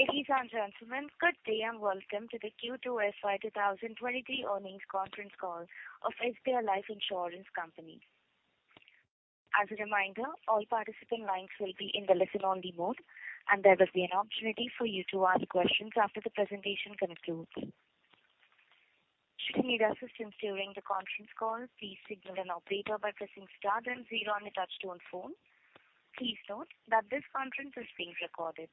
Ladies and gentlemen, good day and welcome to the Q2 FY 2023 earnings conference call of SBI Life Insurance Company. As a reminder, all participant lines will be in the listen-only mode, and there will be an opportunity for you to ask questions after the presentation concludes. Should you need assistance during the conference call, please signal an operator by pressing star then zero on your touchtone phone. Please note that this conference is being recorded.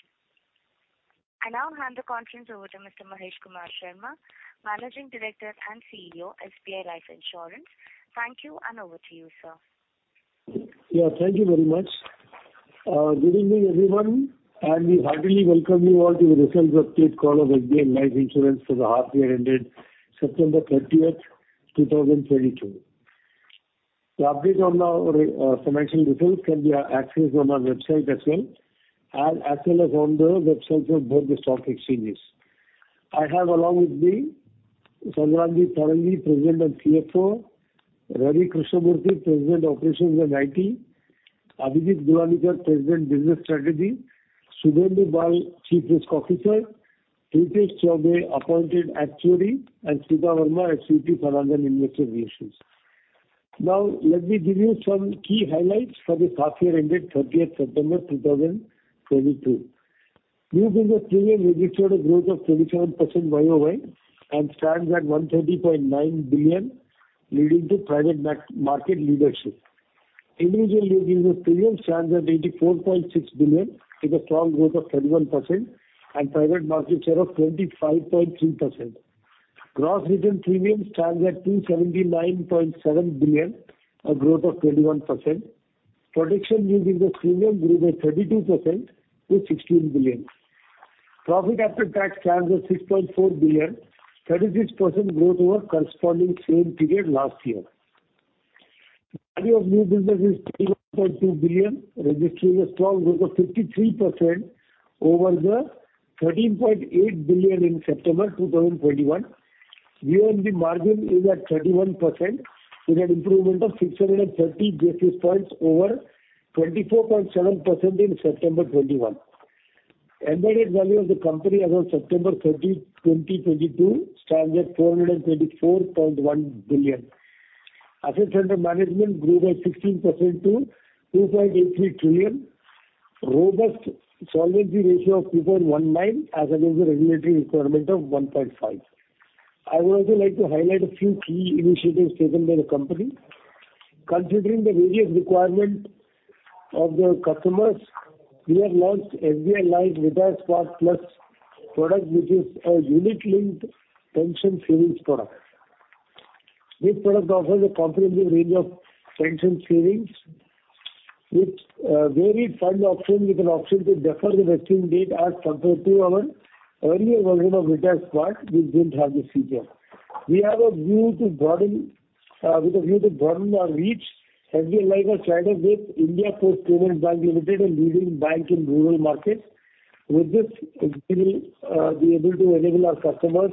I now hand the conference over to Mr. Mahesh Kumar Sharma, Managing Director and CEO, SBI Life Insurance. Thank you, and over to you, sir. Yeah, thank you very much. Good evening, everyone, and we heartily welcome you all to the results update call of SBI Life Insurance for the half year ended September 30, 2022. The update on our financial results can be accessed on our website as well, and as well as on the websites of both the stock exchanges. I have along with me Sangramjit Sarangi, President and CFO, Ravi Krishnamurthy, President, Operations and IT, Abhijit Gulanikar, President, Business Strategy, Subhendu Bal, Chief Risk Officer, Prithesh Chaubey, Appointed Actuary, and Smita Verma, SVP, Finance & Investor Relations. Now, let me give you some key highlights for the half year ended September 30, 2022. New business premium registered a growth of 37% YoY and stands at 130.9 billion, leading to private market leadership. Individual new business premium stands at 84.6 billion with a strong growth of 31% and private market share of 25.3%. Gross written premium stands at 279.7 billion, a growth of 21%. Protection new business premium grew by 32% to 16 billion. Profit after tax stands at 6.4 billion, 36% growth over corresponding same period last year. Value of new business is 3.2 billion, registering a strong growth of 53% over the 13.8 billion in September 2021. VNB margin is at 31% with an improvement of 630 basis points over 24.7% in September 2021. Embedded value of the company around September 30, 2022 stands at 424.1 billion. Assets under management grew by 16% to 2.83 trillion. Robust solvency ratio of 2.19 as against the regulatory requirement of 1.5. I would also like to highlight a few key initiatives taken by the company. Considering the various requirement of the customers, we have launched SBI Life Retire Smart Plus product, which is a unit linked pension savings product. This product offers a comprehensive range of pension savings with varied fund option with an option to defer the vesting date as compared to our earlier version of Retire Smart, which didn't have this feature. With a view to broaden our reach. SBI Life has tied up with India Post Payments Bank Limited, a leading bank in rural markets. With this, it will be able to enable our customers,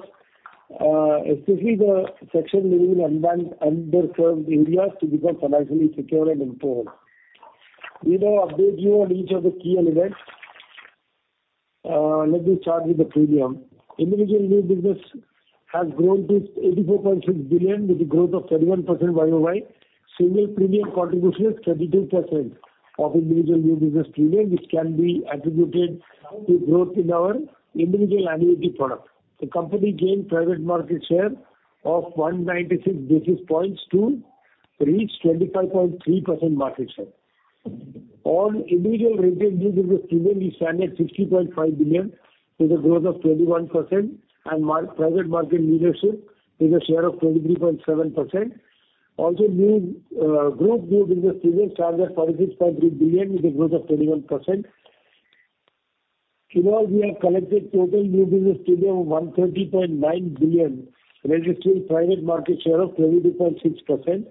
especially the section living in unbanked, underserved areas, to become financially secure and empowered. We will update you on each of the key elements. Let me start with the premium. Individual new business has grown to 84.6 billion with a growth of 31% YoY. Single premium contribution is 32% of individual new business premium, which can be attributed to growth in our individual annuity product. The company gained private market share of 196 basis points to reach 25.3% market share. All individual retail new business premium stands at 60.5 billion with a growth of 21% and maintained private market leadership with a share of 23.7%. Also, group new business premium stands at 46.3 billion with a growth of 21%. In all, we have collected total new business premium of 130.9 billion, registering private market share of 22.6%.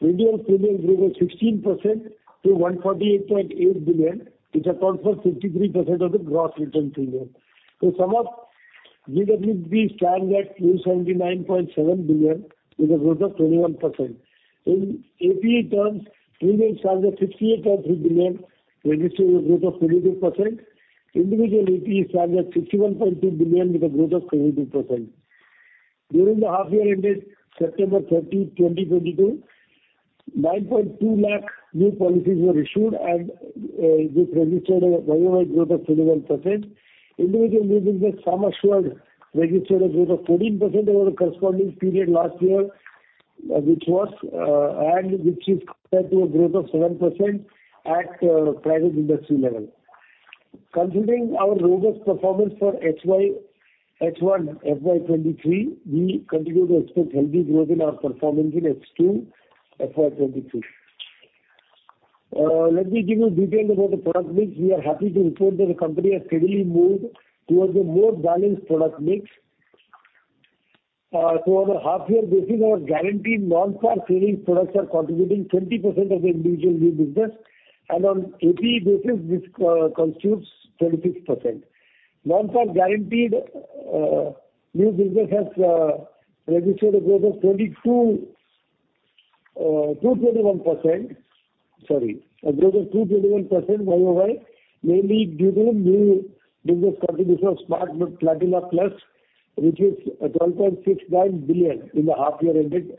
Renewal premium grew by 16% to 148.8 billion, which accounts for 53% of the gross written premium. The sum of GWP stands at 279.7 billion with a growth of 21%. In APE terms, premium stands at 58.3 billion, registering a growth of 22%. Individual APE stands at 61.2 billion with a growth of 22%. During the half year ended September 30, 2022, 9.2 lakh new policies were issued and this registered a YoY growth of 21%. Individual new business sum assured registered a growth of 14% over the corresponding period last year, which was, and which is compared to a growth of 7% at private industry level. Considering our robust performance for FY H1 FY 2023, we continue to expect healthy growth in our performance in H2 FY 2023. Let me give you detail about the product mix. We are happy to report that the company has steadily moved towards a more balanced product mix. On a half year basis, our guaranteed non-par savings products are contributing 20% of the individual new business, and on APE basis, this constitutes 26%. Non-par guaranteed new business has registered a growth of 21%. Sorry. A growth of 221% YoY, mainly due to the new business contribution of Smart Platina Plus, which is 12.69 billion in the half year ended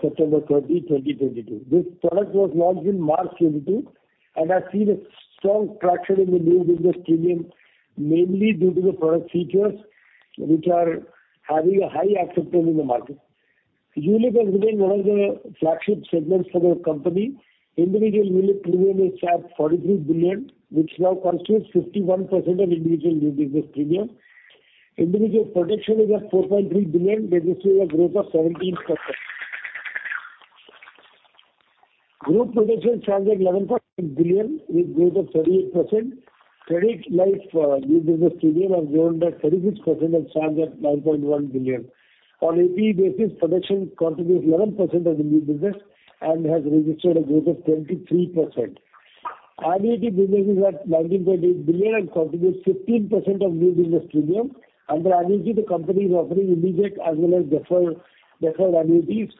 September 30, 2022. This product was launched in March 2022, and has seen a strong traction in the new business premium, mainly due to the product features which are having a high acceptance in the market. ULIP has been one of the flagship segments for the company. Individual ULIP premium is at 43 billion, which now constitutes 51% of individual new business premium. Individual protection is at 4.3 billion, registering a growth of 17%. Group protection stands at 11.8 billion, with growth of 38%. Credit Life new business premium have grown by 36% and stands at 9.1 billion. On APE basis, production contributes 11% of the new business and has registered a growth of 23%. Annuity business is at 19.8 billion and contributes 15% of new business premium. Under annuity, the company is offering immediate as well as deferred annuities.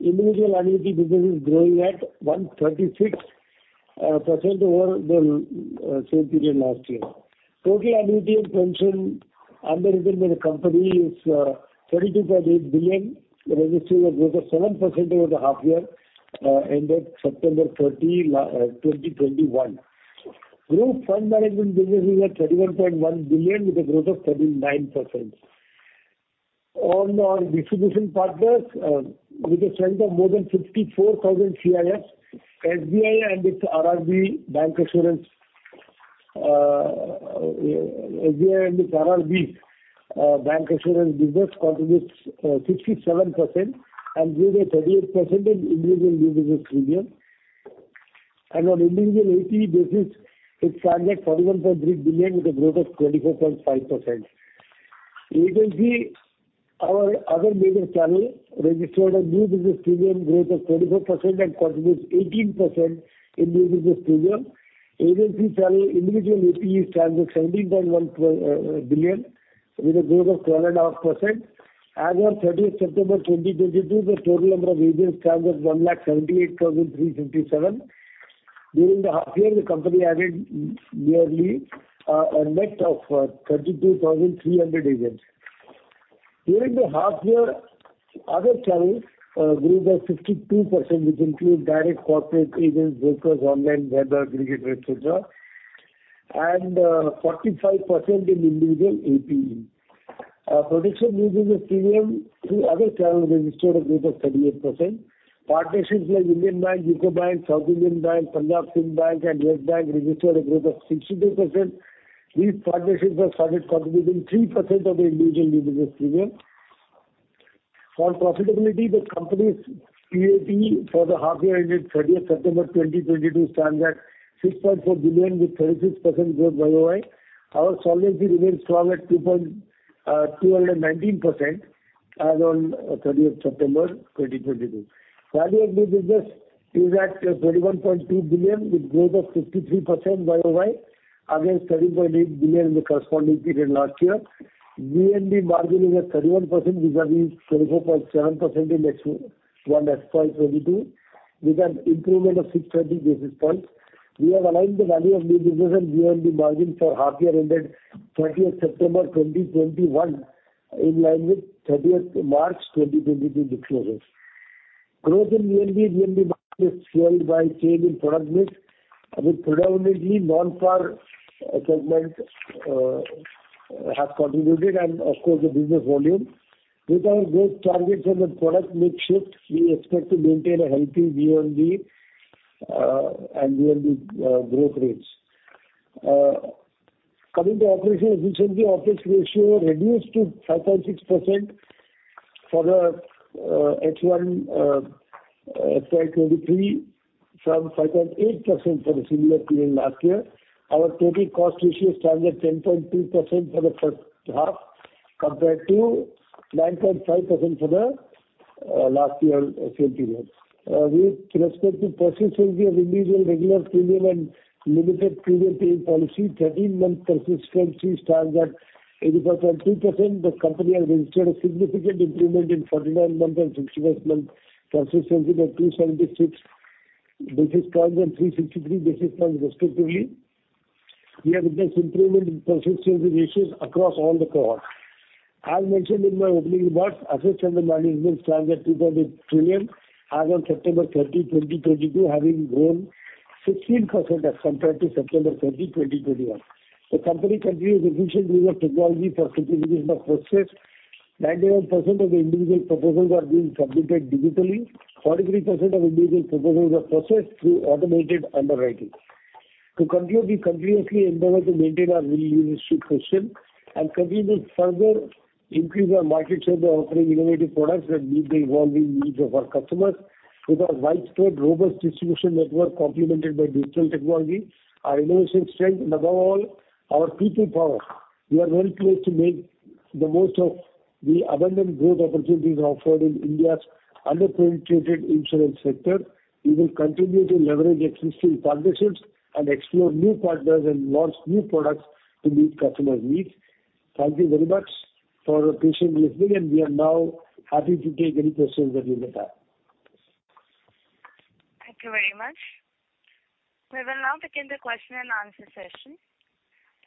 Individual annuity business is growing at 136% over the same period last year. Total annuity and pension underwritten by the company is 32.8 billion, registering a growth of 7% over the half year ended September 30, 2021. Group fund management business is at 31.1 billion with a growth of 39%. On our distribution partners, with a strength of more than 54,000 CIFs, SBI and its RRB Bancassurance business contributes 67% and grew to 38% of individual new business premium. On individual APE basis, it stands at 41.3 billion with a growth of 24.5%. Agency, our other major channel, registered a new business premium growth of 24% and contributes 18% in new business premium. Agency channel individual APE stands at 17.1 billion with a growth of 10.5%. As on 30th September 2022, the total number of agents stands at 178,367. During the half year, the company added nearly a net of 32,300 agents. During the half year, other channels grew by 52%, which include direct corporate agents, brokers, online, white label, aggregate, et cetera, and 45% in individual APE. Protection new business premium through other channels registered a growth of 38%. Partnerships like Indian Bank, UCO Bank, South Indian Bank, Punjab & Sind Bank and Yes Bank registered a growth of 62%. These partnerships have started contributing 3% of the individual new business premium. For profitability, the company's PAB for the half year ended 30th September 2022 stands at 6.4 billion with 36% growth year-over-year. Our solvency remains strong at 219% as on 30th September 2022. Value of new business is at 31.2 billion with growth of 53% YoY against 13.8 billion in the corresponding period last year. VNB margin is at 31% vis-à-vis 24.7% in H1 FY 2022, with an improvement of 630 basis points. We have aligned the value of new business and VNB margin for half year ended 30 September 2021 in line with 30 March 2022 disclosures. Growth in VNB margin is fueled by change in product mix, with predominantly non-par segments have contributed, and of course, the business volume. With our growth targets and the product mix shift, we expect to maintain a healthy VNB and VNB growth rates. Coming to operational efficiency, operations ratio reduced to 5.6% for the H1 FY 2023 from 5.8% for the similar period last year. Our total cost ratio stands at 10.2% for the first half compared to 9.5% for the same period last year. With respect to persistency of individual regular premium and limited premium paying policy, 13-month persistency stands at 84.3%. The company has registered a significant improvement in 49-month and 61-month persistency by 276 basis points and 363 basis points respectively. We have witnessed improvement in persistency ratios across all the cohorts. As mentioned in my opening remarks, assets under management stands at INR 2.8 trillion as on September 30, 2022, having grown 16% as compared to September 30, 2021. The company continues efficient use of technology for simplification of process. 91% of individual proposals are being submitted digitally. 43% of individual proposals are processed through automated underwriting. To conclude, we continuously endeavor to maintain our leadership position and continue to further increase our market share by offering innovative products that meet the evolving needs of our customers. With our widespread robust distribution network complemented by digital technology, our innovation strength, and above all, our people power, we are well placed to make the most of the abundant growth opportunities offered in India's under-penetrated insurance sector. We will continue to leverage existing partnerships and explore new partners and launch new products to meet customers' needs. Thank you very much. For patiently listening, and we are now happy to take any questions that you may have. Thank you very much. We will now begin the question and answer session.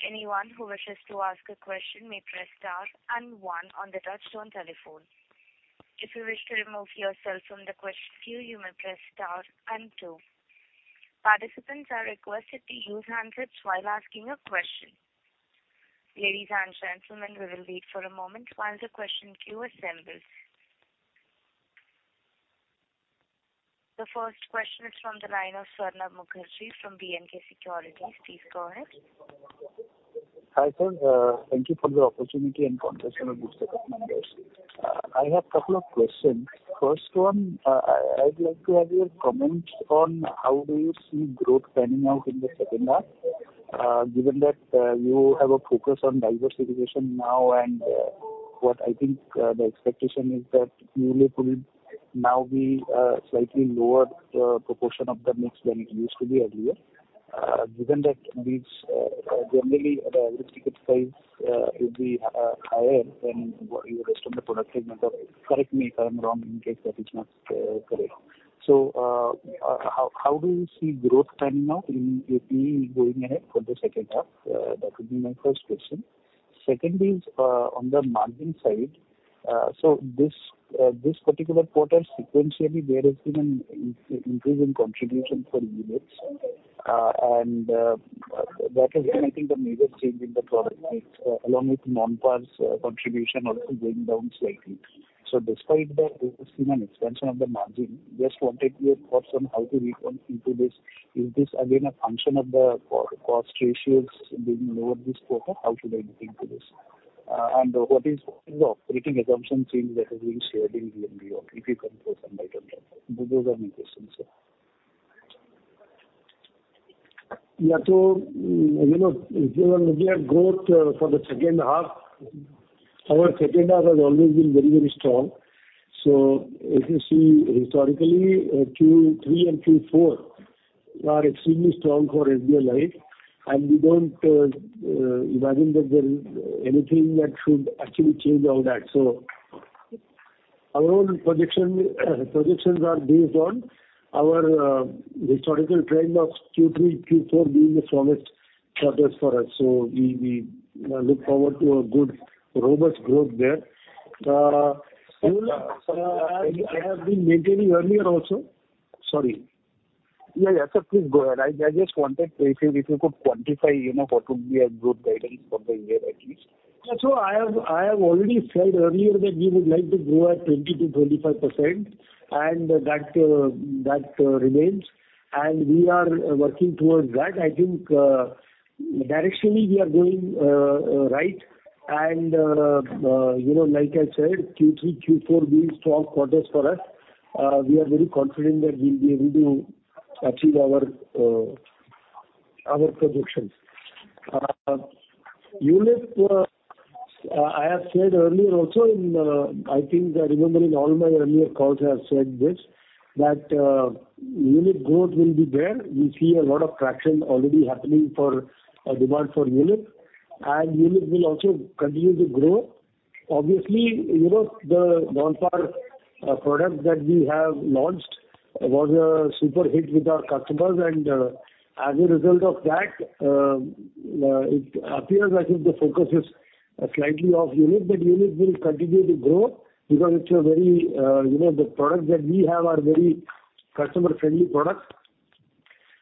Anyone who wishes to ask a question may press star and one on the touchtone telephone. If you wish to remove yourself from the question queue, you may press star and two. Participants are requested to use handsets while asking a question. Ladies and gentlemen, we will wait for a moment while the question queue assembles. The first question is from the line of Swarnabha Mukherjee from B&K Securities. Please go ahead. Hi, sir. Thank you for the opportunity and congratulations on the good set of numbers. I have couple of questions. First one, I'd like to have your comments on how do you see growth panning out in the second half, given that you have a focus on diversification now and what I think the expectation is that unit will now be slightly lower proportion of the mix than it used to be earlier. Given that these generally the average ticket size will be higher than what your rest of the product segment or correct me if I'm wrong in case that is not correct. So, how do you see growth panning out in AP going ahead for the second half? That would be my first question. Second is on the margin side. This particular quarter sequentially there has been an increase in contribution for units. That has been I think the major change in the product mix, along with non-pars contribution also going down slightly. Despite that, we have seen an expansion of the margin. Just wanted your thoughts on how to read into this. Is this again a function of the cost ratios being lower this quarter? How should I look into this? What is the operating assumption change that has been shared in the MBO if you compare some items? Those are my questions, sir. You know, if you want to get growth for the second half, our second half has always been very, very strong. If you see historically, Q3 and Q4 are extremely strong for us, right? We don't imagine that there is anything that should actually change all that. Our own projections are based on our historical trend of Q3, Q4 being the strongest quarters for us. We look forward to a good robust growth there. You will, as I have been mentioning earlier also. Sorry. Yeah. Sir, please go ahead. I just wanted to see if you could quantify, you know, what would be a growth guidance for the year at least. I have already said earlier that we would like to grow at 20%-25%, and that remains. We are working towards that. I think directionally we are going right. You know, like I said, Q3, Q4 being strong quarters for us, we are very confident that we'll be able to achieve our projections. Unit, I have said earlier also in, I think remembering all my earlier calls I have said this, that unit growth will be there. We see a lot of traction already happening for a demand for unit, and unit will also continue to grow. Obviously, you know, the non-par products that we have launched was a super hit with our customers, and as a result of that, it appears as if the focus is slightly off unit, but unit will continue to grow because it's a very you know the products that we have are very customer-friendly products.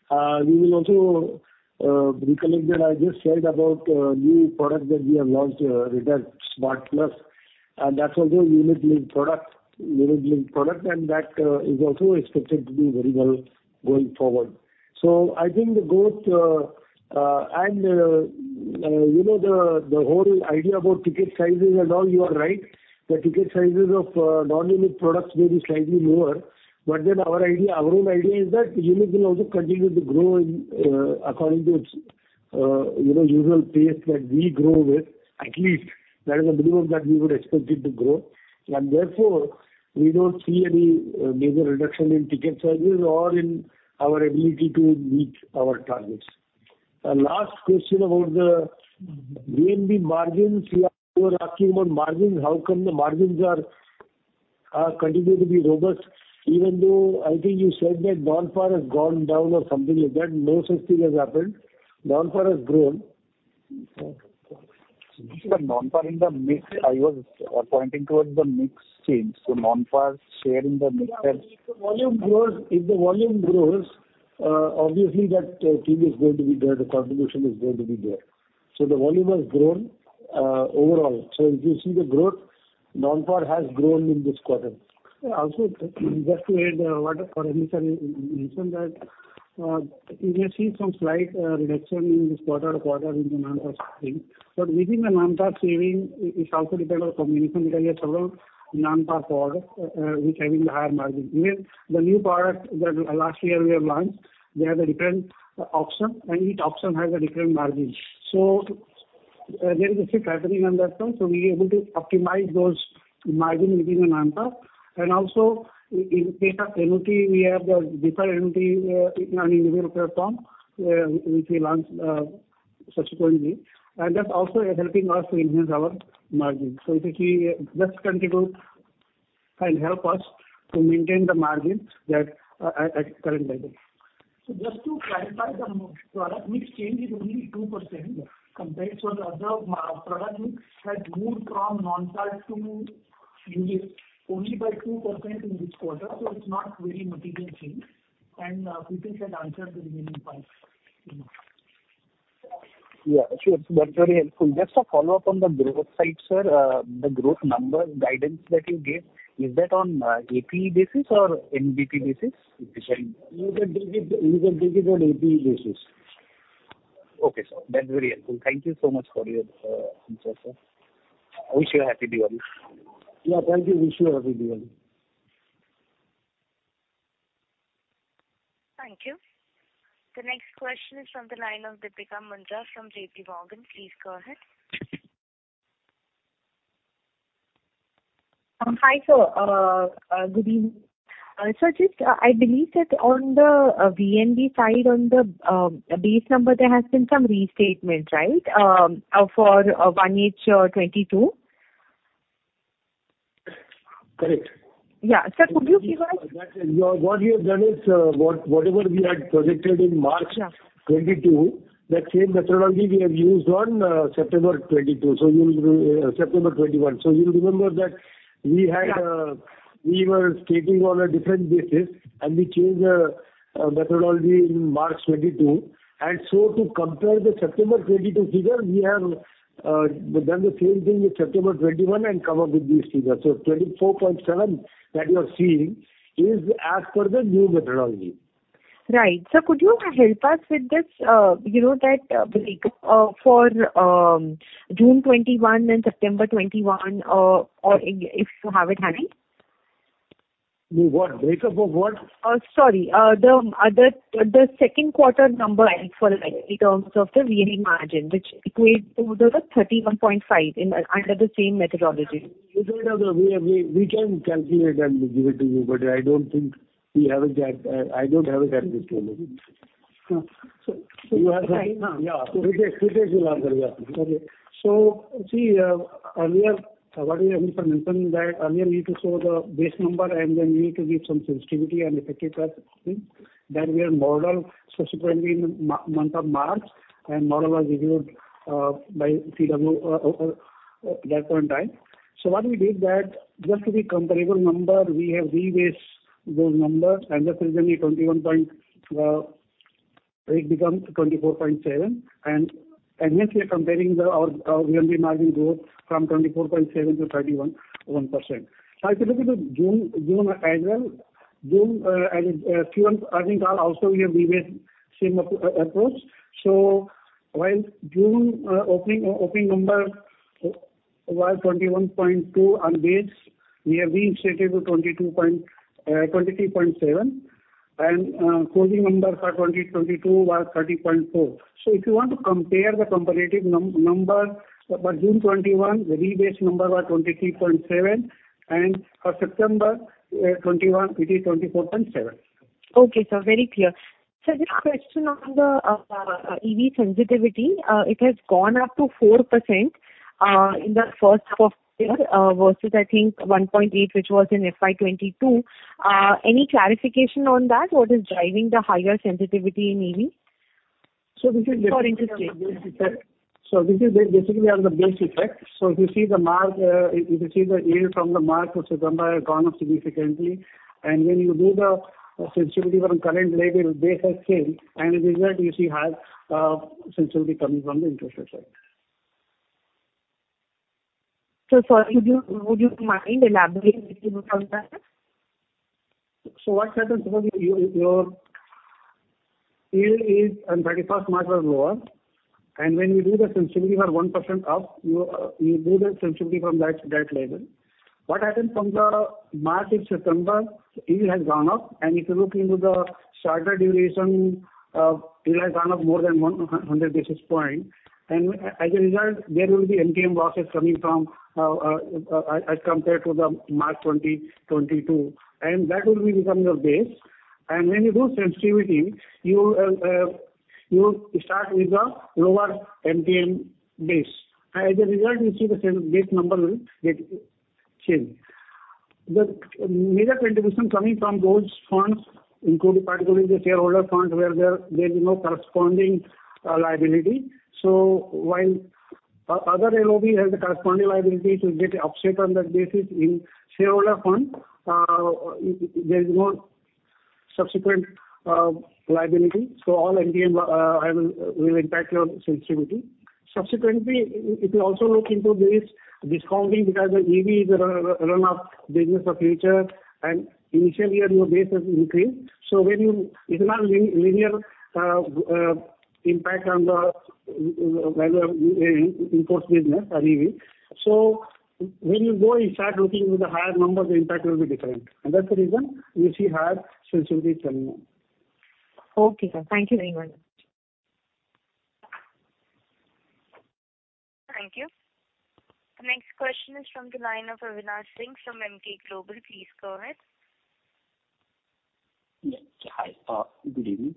We will also recollect that I just said about new product that we have launched, it has Smart Shield Plus, and that's also a unit linked product, and that is also expected to be very well going forward. I think the growth and you know the whole idea about ticket sizes and all, you are right. The ticket sizes of non-unit products may be slightly lower, but then our idea, our own idea is that unit will also continue to grow in accordance with its you know usual pace that we grow with. At least that is the view that we would expect it to grow. Therefore, we don't see any major reduction in ticket sizes or in our ability to meet our targets. Last question about the VNB margins. You are asking about margins, how come the margins are continuing to be robust even though I think you said that non-par has gone down or something like that. No such thing has happened. Non-par has grown. Non-par in the mix. I was pointing towards the mix change. Non-par share in the mix has If the volume grows, obviously that team is going to be there, the contribution is going to be there. The volume has grown, overall. If you see the growth, non-par has grown in this quarter. Also just to add what Mahesh mentioned that you may see some slight reduction in this quarter-over-quarter in the non-par stream. Within the non-par saving, it's also depend on combination because we have several non-par products, which are in the higher margin. Even the new product that last year we have launched, they have a different option, and each option has a different margin. There is a shift happening on that front. We are able to optimize those margin within the non-par. Also in case of annuity, we have the different annuity in an individual platform, which we launched subsequently. That's also helping us to enhance our margin. I think we just continue. Help us to maintain the margins that at current level. Just to clarify, the product mix change is only 2% compared to the other product mix has moved from non-par to retail only by 2% in this quarter, so it's not very material change. Mahesh had answered the remaining points. Yeah, sure. That's very helpful. Just a follow-up on the growth side, sir. The growth number guidance that you gave, is that on AP basis or NBP basis? We will take it on APE basis. Okay, sir. That's very helpful. Thank you so much for your input, sir. I wish you a happy Diwali. Yeah. Thank you. Wish you a happy Diwali. Thank you. The next question is from the line of Deepika Mundra from JP Morgan. Please go ahead. Hi, sir. Good evening. I believe that on the VNB side on the base number there has been some restatement, right? For 1H 2022. Correct. Yeah. Sir, could you give us? What you have done is whatever we had projected in March. Yeah. 2022, that same methodology we have used on September 2022. You'll remember that we had Yeah. We were stating on a different basis, and we changed our methodology in March 2022. To compare the September 2022 figure, we have done the same thing with September 2021 and come up with these figures. 24.7% that you are seeing is as per the new methodology. Right. Sir, could you help us with this, you know, that break for June 2021 and September 2021, or if you have it handy? The what? Breakup of what? Sorry. The second quarter number I need for, like, in terms of the VNB margin, which equates to the 31.5% under the same methodology. We can calculate and give it to you, but I don't think we have it there. I don't have it there with me. So Yeah. Mahesh will answer your question. Okay. See, earlier, what we have been mentioning that earlier we need to show the base number, and then we need to give some sensitivity and effective tax that we have modeled subsequently in month of March, and model was reviewed by Milliman at that point in time. What we did that just to be comparable number, we have rebased those numbers, and that's the reason the 21-point rate becomes 24.7. And hence we are comparing our VNB margin growth from 24.7% to 31%. Now if you look into June as well, as Q1, I think, also we have rebased same approach. While June opening number was 21.2 on base, we have restated to 22.7. Closing number for 2022 was 30.4%. If you want to compare the comparative number for June 2021, the rebased number was 22.7%. For September 2021, it is 24.7%. Okay, sir. Very clear. Sir, just a question on the EV sensitivity. It has gone up to 4%, in the first half of year, versus I think 1.8%, which was in FY 2022. Any clarification on that? What is driving the higher sensitivity in EV? This is For interest rate. This is basically on the base effect. If you see the yield from the March to September has gone up significantly. When you do the sensitivity on current level, base has changed. As a result, you see high sensitivity coming from the interest rate side. Sorry, would you mind elaborating little on that? What happens, suppose your yield is on thirty-first March was lower. When you do the sensitivity for 1% up, you do the sensitivity from that level. What happens from the March till September, yield has gone up. If you look into the shorter duration, yield has gone up more than 100 basis points. As a result, there will be MTM losses coming from, as compared to the March 2022. That will be becoming your base. When you do sensitivity, you start with a lower MTM base. As a result, you see the same base number will get changed. The major contribution coming from those funds, including particularly the shareholder funds, where there is no corresponding liability. While other AOV has the corresponding liability to get an offset on that basis in shareholder fund, there is no subsequent liability. All MTM will impact your sensitivity. Subsequently, if you also look into this discounting because the EV is a run up business of future, and initially your base has increased. When it's not linear impact on whether it's business or EV. When you go and start looking with the higher number, the impact will be different. That's the reason you see higher sensitivity coming up. Okay, sir. Thank you very much. Thank you. The next question is from the line of Avinash Singh from Emkay Global. Please go ahead. Yeah. Hi, good evening.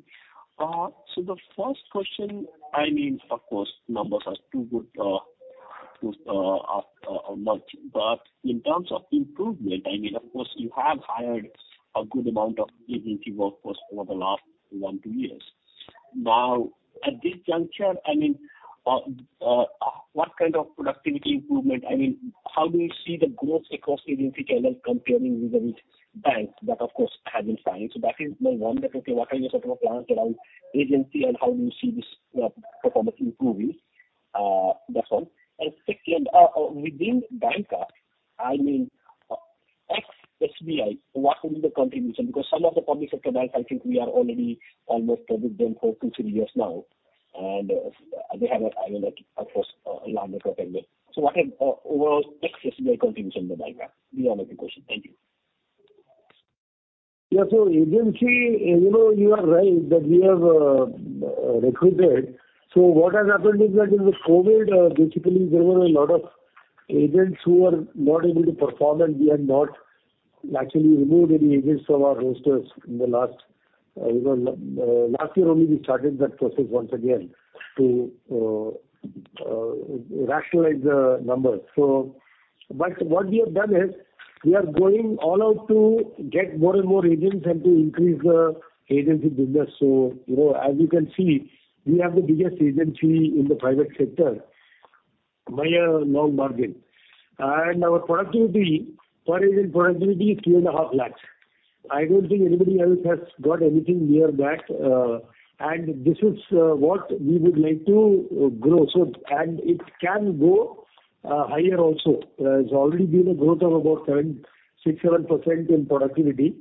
So the first question, I mean, of course, numbers are too good to argue, but in terms of improvement, I mean, of course you have hired a good amount of agency workforce over the last one, two years. Now, at this juncture, I mean, what kind of productivity improvement, I mean, how do you see the growth across agency channels comparing with the banks that of course have been fine? That is my one. Okay, what are your sort of plans around agency and how do you see this performance improving? That's one. And second, within Banca, I mean, ex-SBI, what will be the contribution? Because some of the public sector banks, I think we are already almost covered them for two, three years now, and they have a, you know, of course, a larger footprint there. What will ex-SBI contribution to Banca be? These are my two questions. Thank you. Yeah. Agency, you know, you are right that we have recruited. What has happened is that with COVID, basically there were a lot of agents who were not able to perform, and we have not actually removed any agents from our rosters in the last year. Only we started that process once again to rationalize the numbers. What we have done is we are going all out to get more and more agents and to increase the agency business. You know, as you can see, we have the biggest agency in the private sector by a long margin. Our productivity, per agent productivity is 3.5 lakhs. I don't think anybody else has got anything near that, and this is what we would like to grow. It can go higher also. There's already been a growth of about 10, 6, 7% in productivity.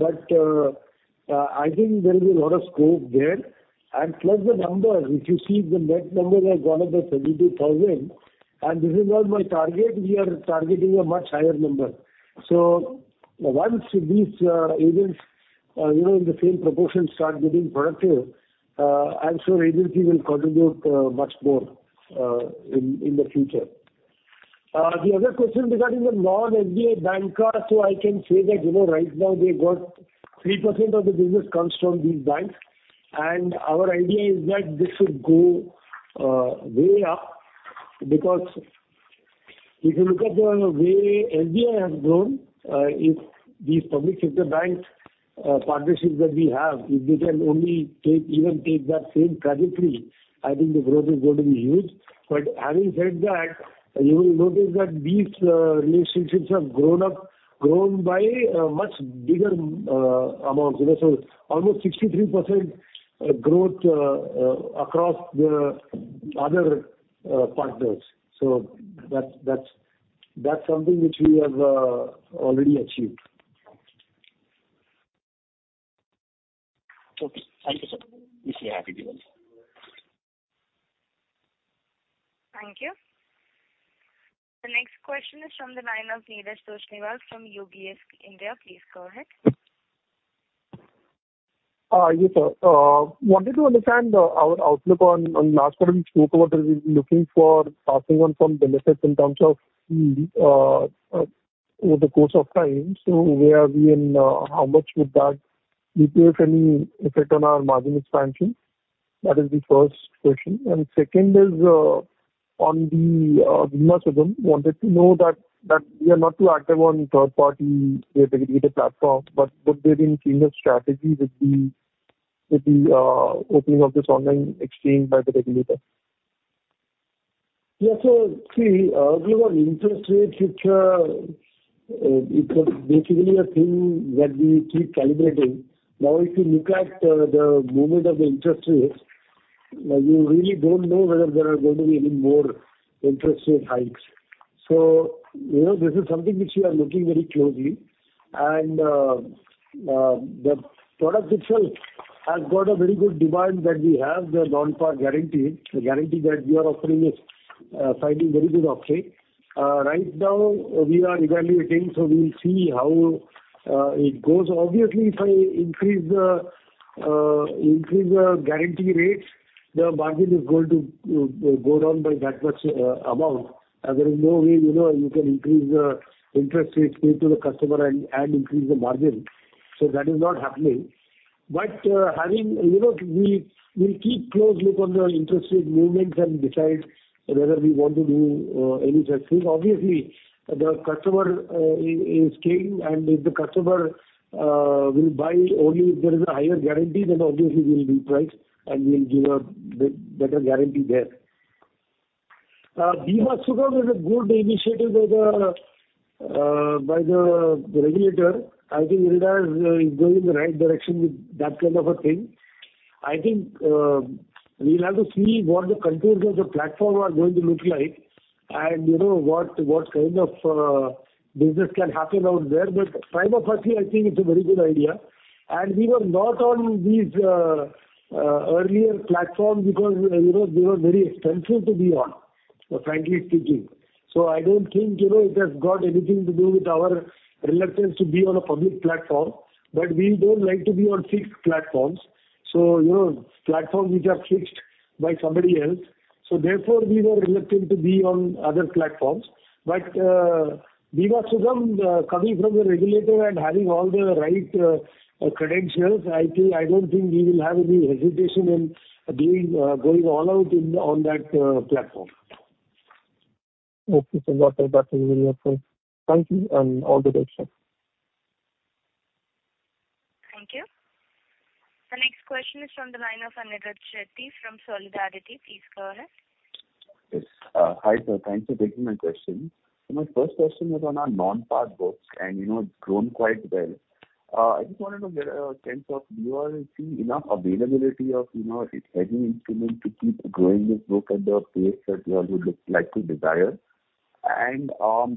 I think there is a lot of scope there. Plus the numbers, if you see the net numbers have gone up by 22,000, and this is not my target. We are targeting a much higher number. Once these agents, you know, in the same proportion start getting productive, I'm sure agency will contribute much more in the future. The other question regarding the non-SBI Banca. I can say that, you know, right now we've got 3% of the business comes from these banks. Our idea is that this should go way up because if you look at the way SBI has grown, if these public sector banks partnerships that we have, if they can only take, even take that same trajectory, I think the growth is going to be huge. Having said that, you will notice that these relationships have grown by a much bigger amount. You know, almost 63% growth across the other partners. That's something which we have already achieved. Okay. Thank you, sir. You see, happy to help. Thank you. The next question is from the line of Neeraj Toshniwal from UBS India. Please go ahead. Yes, sir. Wanted to understand our outlook on last quarter we spoke about we'll be looking for passing on some benefits in terms of the over the course of time. Where are we and how much would that be, if any, effect on our margin expansion? That is the first question. Second is on the Bima Sugam, wanted to know that we are not too active on third party regulated platforms, but could there be any change of strategy with the opening of this online exchange by the regulator? See, you know, interest rates, it's basically a thing that we keep calibrating. Now, if you look at the movement of the interest rates, you really don't know whether there are going to be any more interest rate hikes. You know, this is something which we are looking very closely and the product itself has got a very good demand that we have, the non-par guarantee. The guarantee that we are offering is finding very good uptake. Right now we are evaluating, so we'll see how it goes. Obviously, if I increase the guarantee rates, the margin is going to go down by that much amount. There is no way, you know, you can increase the interest rates paid to the customer and increase the margin. That is not happening. You know, we will keep close look on the interest rate movements and decide whether we want to do any such thing. Obviously, the customer is paying and if the customer will buy only if there is a higher guarantee, then obviously we'll reprice and we'll give a better guarantee there. Bima Sugam was a good initiative by the regulator. I think IRDAI is going in the right direction with that kind of a thing. I think, we'll have to see what the contours of the platform are going to look like and you know, what kind of business can happen out there. Prima facie, I think it's a very good idea. We were not on these earlier platforms because, you know, they were very expensive to be on, frankly speaking. I don't think, you know, it has got anything to do with our reluctance to be on a public platform, but we don't like to be on fixed platforms. You know, platforms which are fixed by somebody else. Therefore, we were reluctant to be on other platforms. Bima Sugam, coming from the regulator and having all the right credentials, I think. I don't think we will have any hesitation in going all out on that platform. Okay, sir. Got that. That is very helpful. Thank you, and all the best, sir. Thank you. The next question is from the line of Anirudh Shetty from Solidarity. Please go ahead. Yes. Hi, sir. Thanks for taking my question. My first question is on our non-par books, and you know it's grown quite well. I just wanted to get a sense of do you all see enough availability of, you know, hedging instrument to keep growing this book at the pace that you all would look like to desire.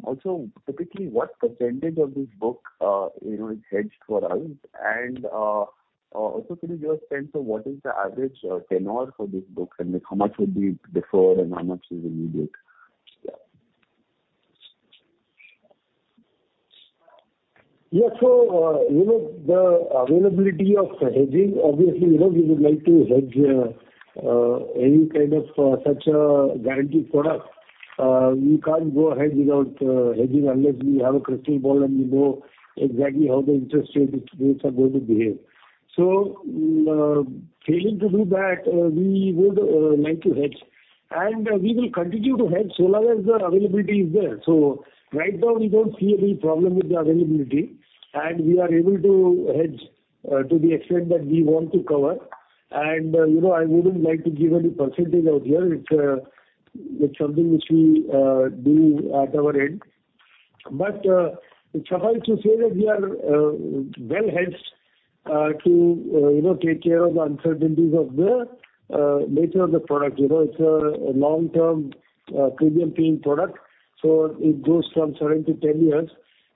Also typically, what percentage of this book, you know, is hedged for us? Also can you give a sense of what is the average tenure for this book and like how much would be before and how much is immediate? Yeah. Yeah. You know, the availability of hedging, obviously, you know, we would like to hedge any kind of such a guaranteed product. We can't go ahead without hedging unless we have a crystal ball and we know exactly how the interest rates are going to behave. Failing to do that, we would like to hedge, and we will continue to hedge so long as the availability is there. Right now we don't see any problem with the availability, and we are able to hedge to the extent that we want to cover. You know, I wouldn't like to give any percentage out here. It's something which we do at our end. It suffices to say that we are well-hedged to you know take care of the uncertainties of the nature of the product. You know, it's a long-term premium paying product, so it goes from 7-10 years.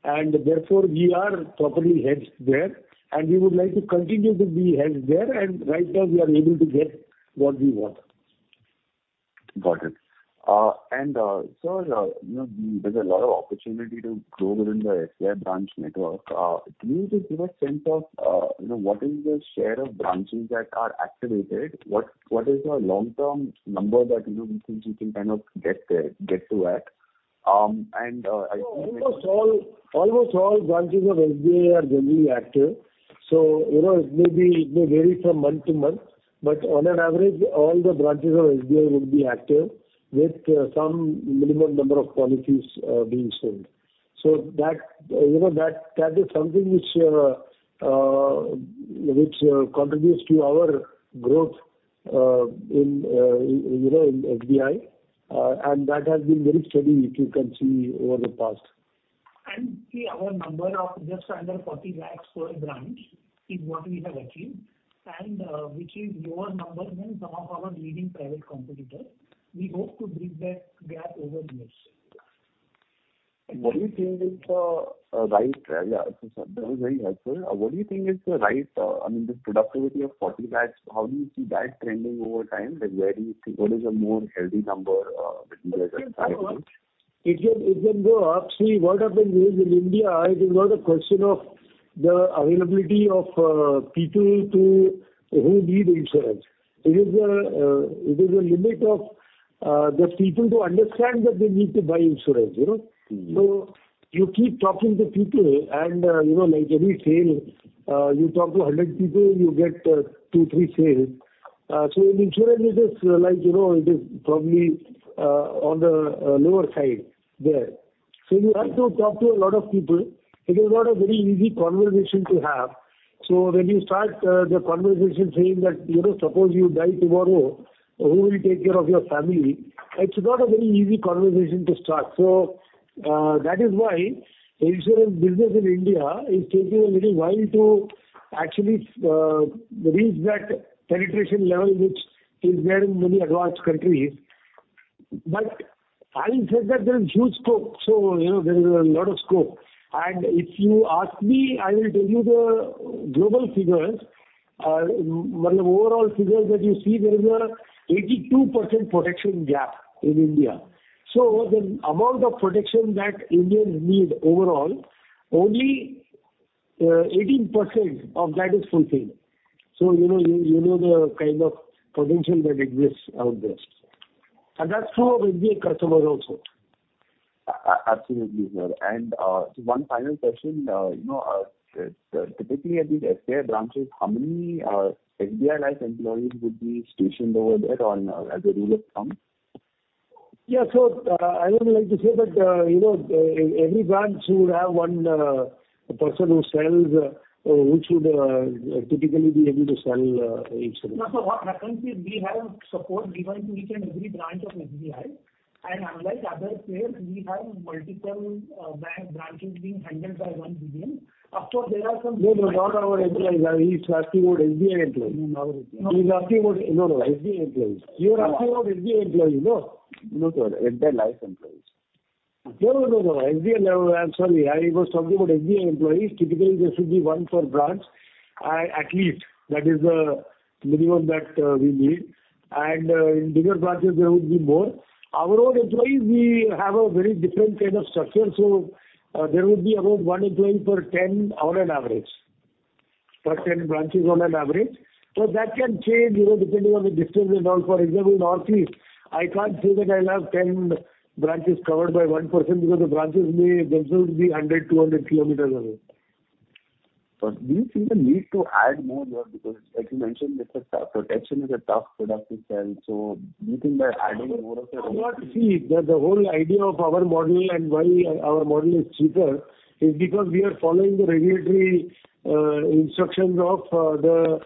Therefore we are properly hedged there, and we would like to continue to be hedged there. Right now we are able to get what we want. Got it. Sir, you know, there's a lot of opportunity to grow within the SBI branch network. Can you just give a sense of, you know, what is the share of branches that are activated? What is the long-term number that, you know, you think you can kind of get to at? I think- Almost all branches of SBI are generally active. You know, it may vary from month to month, but on average, all the branches of SBI would be active with some minimum number of policies being sold. That you know is something which contributes to our growth in you know in SBI, and that has been very steady, if you can see over the past. See our number of just under 40 lakhs per branch is what we have achieved, which is lower number than some of our leading private competitors. We hope to bridge that gap over the years. sir, that was very helpful. What do you think is the right, I mean, the productivity of 40 lakhs, how do you see that trending over time, and where do you see what is a more healthy number that you guys are targeting? It can go up. See what happens is in India it is not a question of the availability of people who need insurance. It is a limit of just people who understand that they need to buy insurance, you know. Mm-hmm. You keep talking to people and, you know, like any sale, you talk to 100 people, you get two, three sales. In insurance it is like, you know, it is probably on the lower side there. You have to talk to a lot of people. It is not a very easy conversation to have. When you start the conversation saying that, you know, suppose you die tomorrow, who will take care of your family? It's not a very easy conversation to start. That is why insurance business in India is taking a little while to actually reach that penetration level which is there in many advanced countries. Having said that, there is huge scope. You know, there is a lot of scope. If you ask me, I will tell you the global figures or overall figures that you see there is a 82% protection gap in India. So the amount of protection that Indians need overall, only, 18% of that is fulfilled. So, you know, you know, the kind of potential that exists out there. That's true of SBI customers also. Absolutely, sir. One final question. You know, typically at these SBI branches, how many SBI Life employees would be stationed over there on a, as a rule of thumb? Yeah. I don't like to say that, you know, every branch would have one person who sells, who should typically be able to sell insurance. No. What happens is we have support provided in each and every branch of SBI. Unlike other players, we have multiple branches being handled by one BA. Of course, there are some- No, no. Not our SBI. He's asking about SBI employees. No, not our employees. SBI employees. You're asking about SBI employees, no? No, sir. SBI Life employees. No. SBI Life. I'm sorry. I was talking about SBI employees. Typically, there should be one per branch. At least that is the minimum that we need. In bigger branches there would be more. Our own employees, we have a very different kind of structure. There would be about one employee per 10 on average. Per 10 branches on average. But that can change, you know, depending on the distance and all. For example, Northeast, I can't say that I'll have 10 branches covered by one person because they'll still be 100, 200 km away. Do you see the need to add more there because as you mentioned, protection is a tough product to sell, so do you think that adding more of your own No, see, the whole idea of our model and why our model is cheaper is because we are following the regulatory instructions of the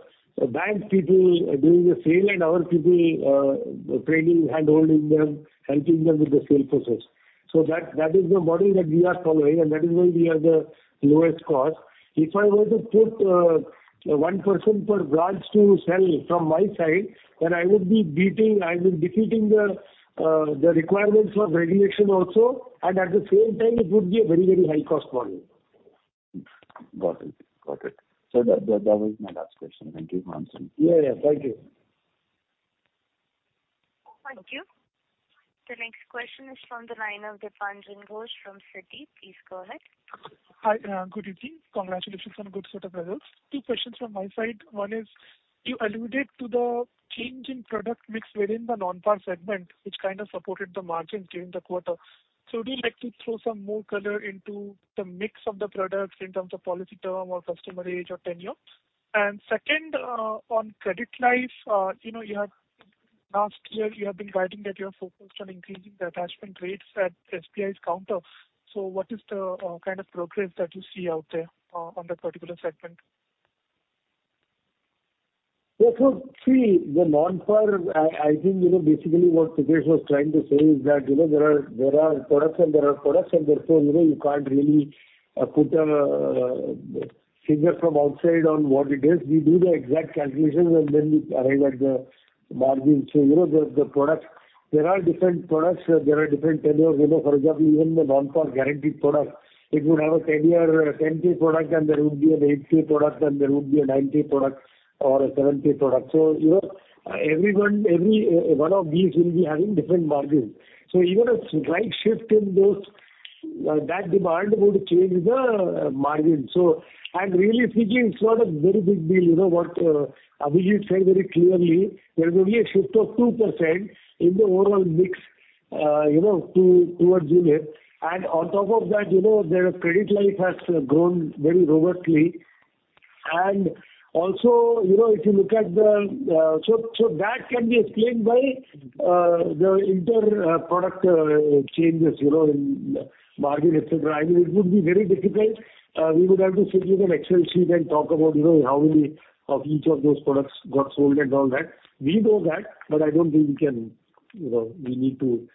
bank people doing the sale and our people training, handholding them, helping them with the sale process. That is the model that we are following, and that is why we have the lowest cost. If I were to put one person per branch to sell from my side, then I would be defeating the requirements for regulation also, and at the same time it would be a very high cost model. Got it. That was my last question. Thank you for answering. Yeah, yeah. Thank you. Thank you. The next question is from the line of Dipanjan Ghosh from Citi. Please go ahead. Hi. Good evening. Congratulations on good set of results. Two questions from my side. One is you alluded to the change in product mix within the non-par segment, which kind of supported the margins during the quarter. Would you like to throw some more color into the mix of the products in terms of policy term or customer age or tenure? And second, on Credit Life, you know, last year you have been guiding that you are focused on increasing the attachment rates at SBI's counter. What is the kind of progress that you see out there on that particular segment? Yeah. See, the non-par, I think, you know, basically what Sangramjit Sarangi was trying to say is that, you know, there are products and products and therefore, you know, you can't really put a figure from outside on what it is. We do the exact calculations and then we arrive at the margin. You know, the products, there are different products, there are different tenures. You know, for example, even the non-par guaranteed product, it would have a 10-year tenor product and there would be an 8-year tenor product, then there would be a 9-year tenor product or a 7-year tenor product. You know, every one of these will be having different margins. Even a slight shift in those that demand would change the margin. Really speaking, it's not a very big deal. You know what, Abhijit said very clearly, there is only a shift of 2% in the overall mix, you know, towards unit. On top of that, you know, their Credit Life has grown very robustly. That can be explained by the product changes, you know, in margin et cetera. I mean, it would be very difficult. We would have to sit with an Excel sheet and talk about, you know, how many of each of those products got sold and all that. We know that, but I don't think we can, you know, we need to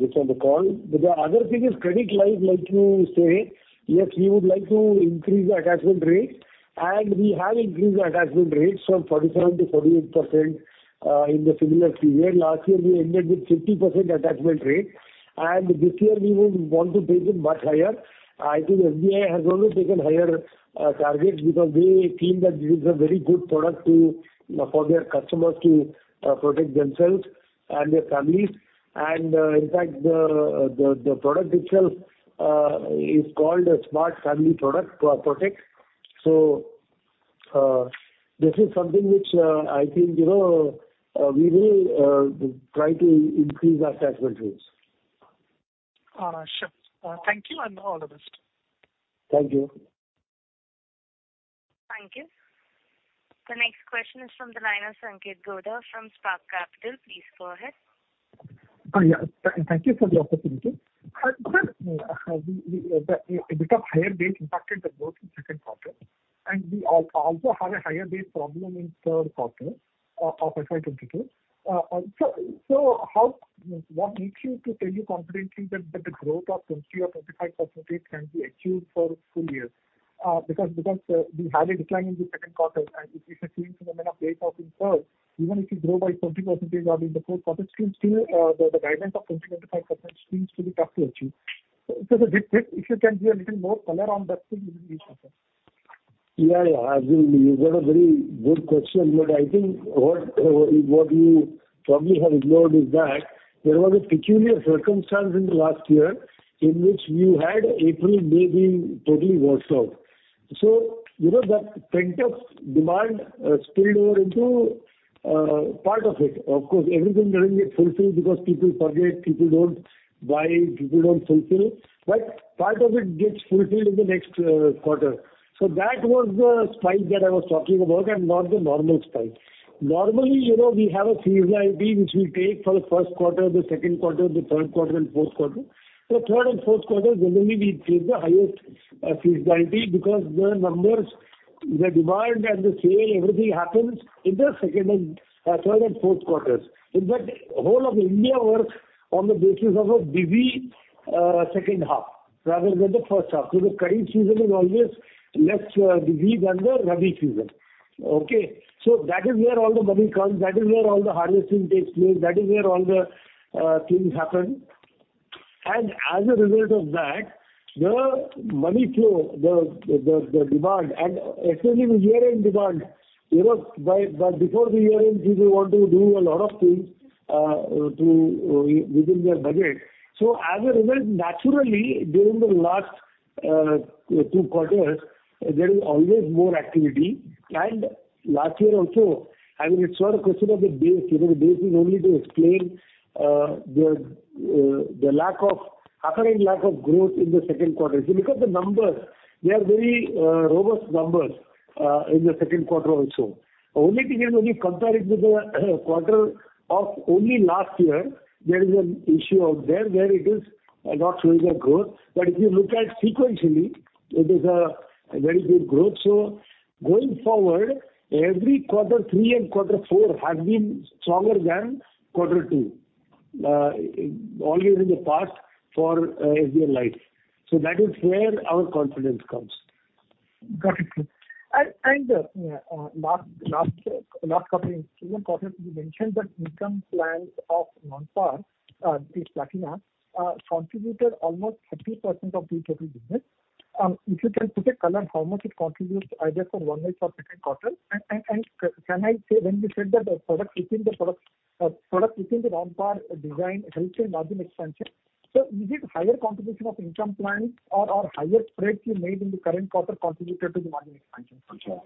discuss on the call. The other thing is Credit Life, like you say, yes, we would like to increase the attachment rates, and we have increased the attachment rates from 47%-48% in the similar period. Last year we ended with 50% attachment rate, and this year we would want to take it much higher. I think SBI has also taken higher targets because they feel that this is a very good product for their customers to protect themselves and their families. In fact, the product itself is called SBI Life - Smart Shield Plus. This is something which I think, you know, we will try to increase our attachment rates. Sure. Thank you, and all the best. Thank you. Thank you. The next question is from the line of Sanket Godha from Spark Capital. Please go ahead. Yeah. Thank you for the opportunity. Sir, the bit of higher base impacted the growth in second quarter, and we also have a higher base problem in third quarter of FY 2022. What makes you so confident that the growth of 20 or 25% can be achieved for full year? Because we had a decline in the second quarter, and if the base remains high in third, even if you grow by 20% in the fourth quarter, it still seems the guidance of 20-25% seems to be tough to achieve. If you can give a little more color on that, it will be helpful. Yeah, yeah. Absolutely. You've got a very good question, but I think what you probably have ignored is that there was a peculiar circumstance in the last year in which you had April, May being totally washed out. You know, that pent-up demand spilled over into part of it. Of course, everything doesn't get fulfilled because people forget, people don't buy, people don't fulfill. Part of it gets fulfilled in the next quarter. That was the spike that I was talking about and not the normal spike. Normally, you know, we have a seasonality which we take for the first quarter, the second quarter, the third quarter and fourth quarter. Third and fourth quarter, generally we face the highest seasonality because the numbers, the demand and the sale, everything happens in the second and third and fourth quarters. In fact, whole of India works on the basis of a busy second half rather than the first half. You know, kharif season is always less busy than the rabi season. Okay. That is where all the money comes, that is where all the harvesting takes place, that is where all things happen. As a result of that, the money flow, the demand and especially the year-end demand, you know. Before the year-end, people want to do a lot of things to within their budget. As a result, naturally, during the last Two quarters, there is always more activity. Last year also, I mean, it's not a question of the base. You know, the base is only to explain, the lack of growth in the second quarter. If you look at the numbers, they are very robust numbers in the second quarter also. The only thing is when you compare it with the quarter of only last year, there is an issue out there where it is not showing a growth. If you look at sequentially, it is a very good growth. Going forward, every quarter 3 and quarter 4 has been stronger than quarter 2, always in the past for HDFC Life. That is where our confidence comes. Got it, sir. Last couple of things. In one quarter you mentioned that income plans of non-par, this Platina, contributed almost 30% of the total business. If you can put some color how much it contributes either for one month or second quarter. Can you say when you said that the product within the product within the non-par design helps your margin expansion. Is it higher contribution of income plans or higher spreads you made in the current quarter contributed to the margin expansion?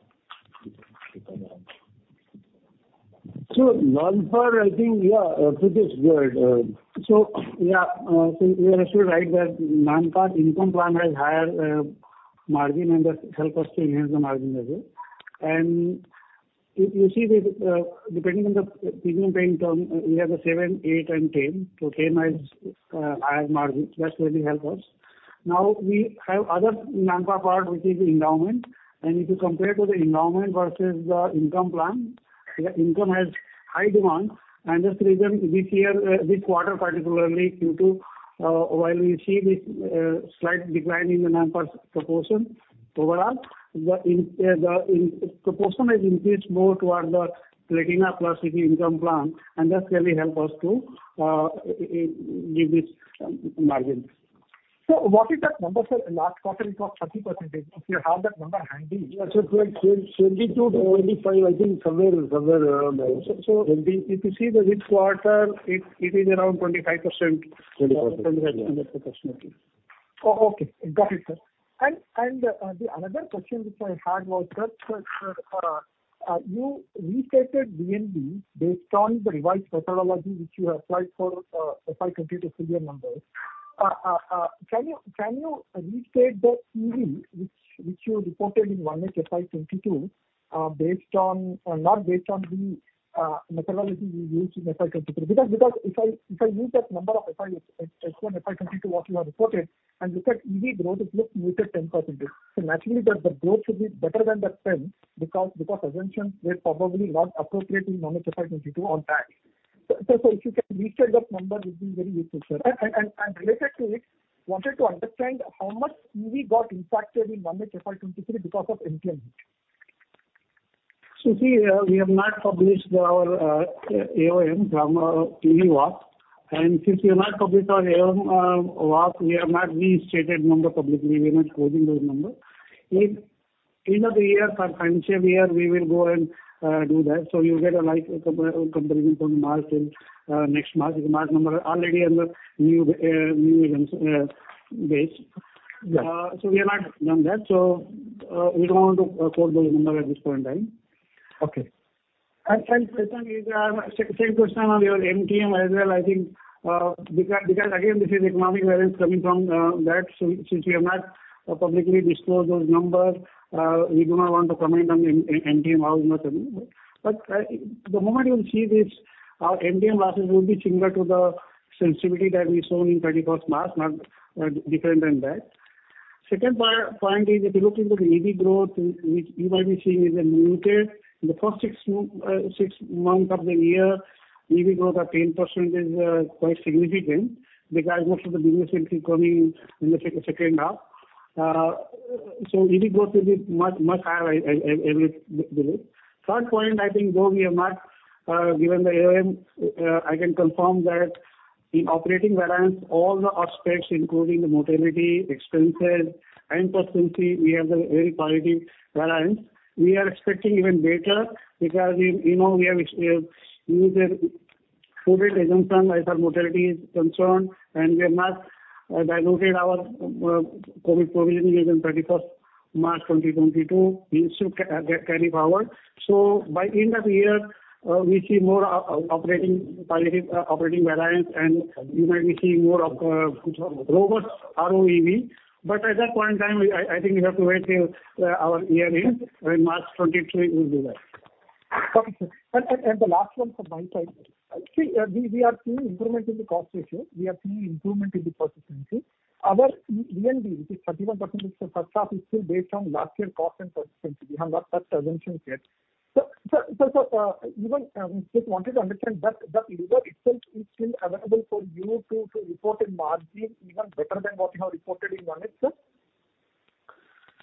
Sure. Non-par, I think, it is good. You're absolutely right that non-par income plan has higher margin and that helps us to enhance the margin as well. If you see, depending on the premium payment term, we have the 7, 8 and 10. 10 has higher margin. That's where we help us. Now we have other non-par part which is the endowment, and if you compare to the endowment versus the income plan, the income has high demand. That's the reason this year, this quarter particularly due to, while we see this, slight decline in the non-par's proportion overall, the proportion has increased more toward the Platina Plus, the income plan, and that really help us to give this margin. What is that number, sir? Last quarter it was 30%. If you have that number handy. Yes. It's like 22-25, I think somewhere around there. So, so- If you see this quarter it is around 25%. Okay. Got it, sir. Another question which I had was that, sir, you restated VNB based on the revised methodology which you applied for FY 22 full year numbers. Can you restate the EV which you reported in FY 22 based on or not based on the methodology you used in FY 23? Because if I use that number of FY 22 what you have reported and look at EV growth, it looks muted 10%. Naturally the growth should be better than that 10% because assumptions were probably not appropriate in FY 22 on that. If you can restate that number it would be very useful, sir. Related to it, wanted to understand how much EV got impacted in FY 2023 because of MTM. See, we have not published our AOM from EV walk. Since we have not published our AOM walk, we have not restated numbers publicly. We are not quoting those numbers. If at the end of the year or financial year, we will go and do that. You get a like comparison from March till next March. March number already under new base. Yeah. We have not done that. We don't want to quote those numbers at this point in time. Okay. Second is second question on your MTM as well, I think, because again this is economic variance coming from that. Since we have not publicly disclosed those numbers, we do not want to comment on MTM how much or more. But the moment you will see this, our MTM losses will be similar to the sensitivity that we've shown in 31st March, not different than that. Second point is if you look into the EV growth which you might be seeing is muted. In the first six months of the year EV growth of 10% is quite significant because most of the business will be coming in the second half. So EV growth will be much, much higher I believe. Third point, I think though we have not given the AOM, I can confirm that in operating variance all the aspects including the mortality, expenses and persistency we have a very positive variance. We are expecting even better because you know we have used a COVID assumption as far as mortality is concerned, and we have not diluted our COVID provision as on 31 March 2022. We still carry forward. By end of the year, we see more positive operating variance and you might be seeing more of robust ROEV. But at that point in time, I think we have to wait till our year ends when March 2023 will be there. Okay, sir. The last one from my side. See, we are seeing improvement in the cost ratio. We are seeing improvement in the persistency. Our VNB, which is 31% of first half, is still based on last year's cost and persistency. We have not touched assumptions yet. Sir, even just wanted to understand that lever itself is still available for you to report a margin even better than what you have reported in 1H, sir? See,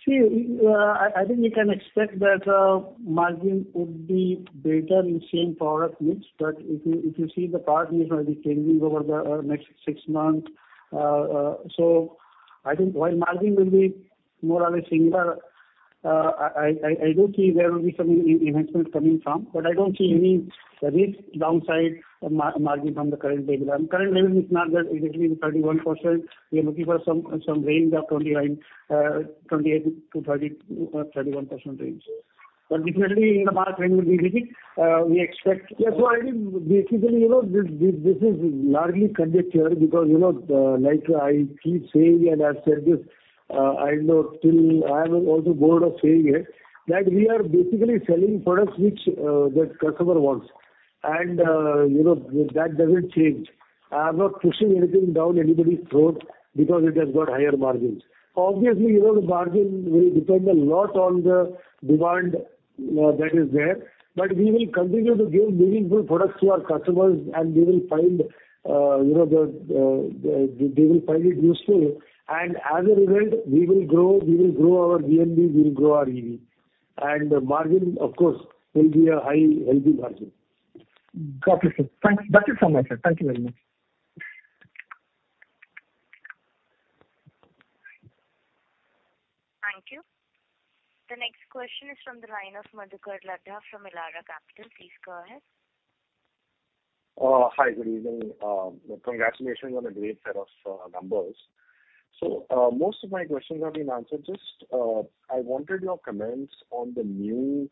I think you can expect that margin would be better in same product mix. If you see the product mix will be changing over the next six months. I think while margin will be more or less similar. I do see there will be some investments coming from, but I don't see any risk downside margin from the current baseline. Current level is not there, exactly 31%. We are looking for some range of 29, 28 to 30, 31% range. But definitely, you know, margin will be looking. I think basically, you know, this is largely conjecture because, you know, like I keep saying, and I've said this, I know till I am also bored of saying it, that we are basically selling products which that customer wants and, you know, that doesn't change. I'm not pushing anything down anybody's throat because it has got higher margins. Obviously, you know, the margin will depend a lot on the demand that is there. We will continue to give meaningful products to our customers and they will find, you know, it useful. As a result, we will grow our VNB, we will grow our EV. Margin, of course, will be a high, healthy margin. Got it, sir. Thank you. That is so much, sir. Thank you very much. Thank you. The next question is from the line of Madhukar Ladha from Elara Capital. Please go ahead. Hi, good evening. Congratulations on a great set of numbers. Most of my questions have been answered. Just, I wanted your comments on the new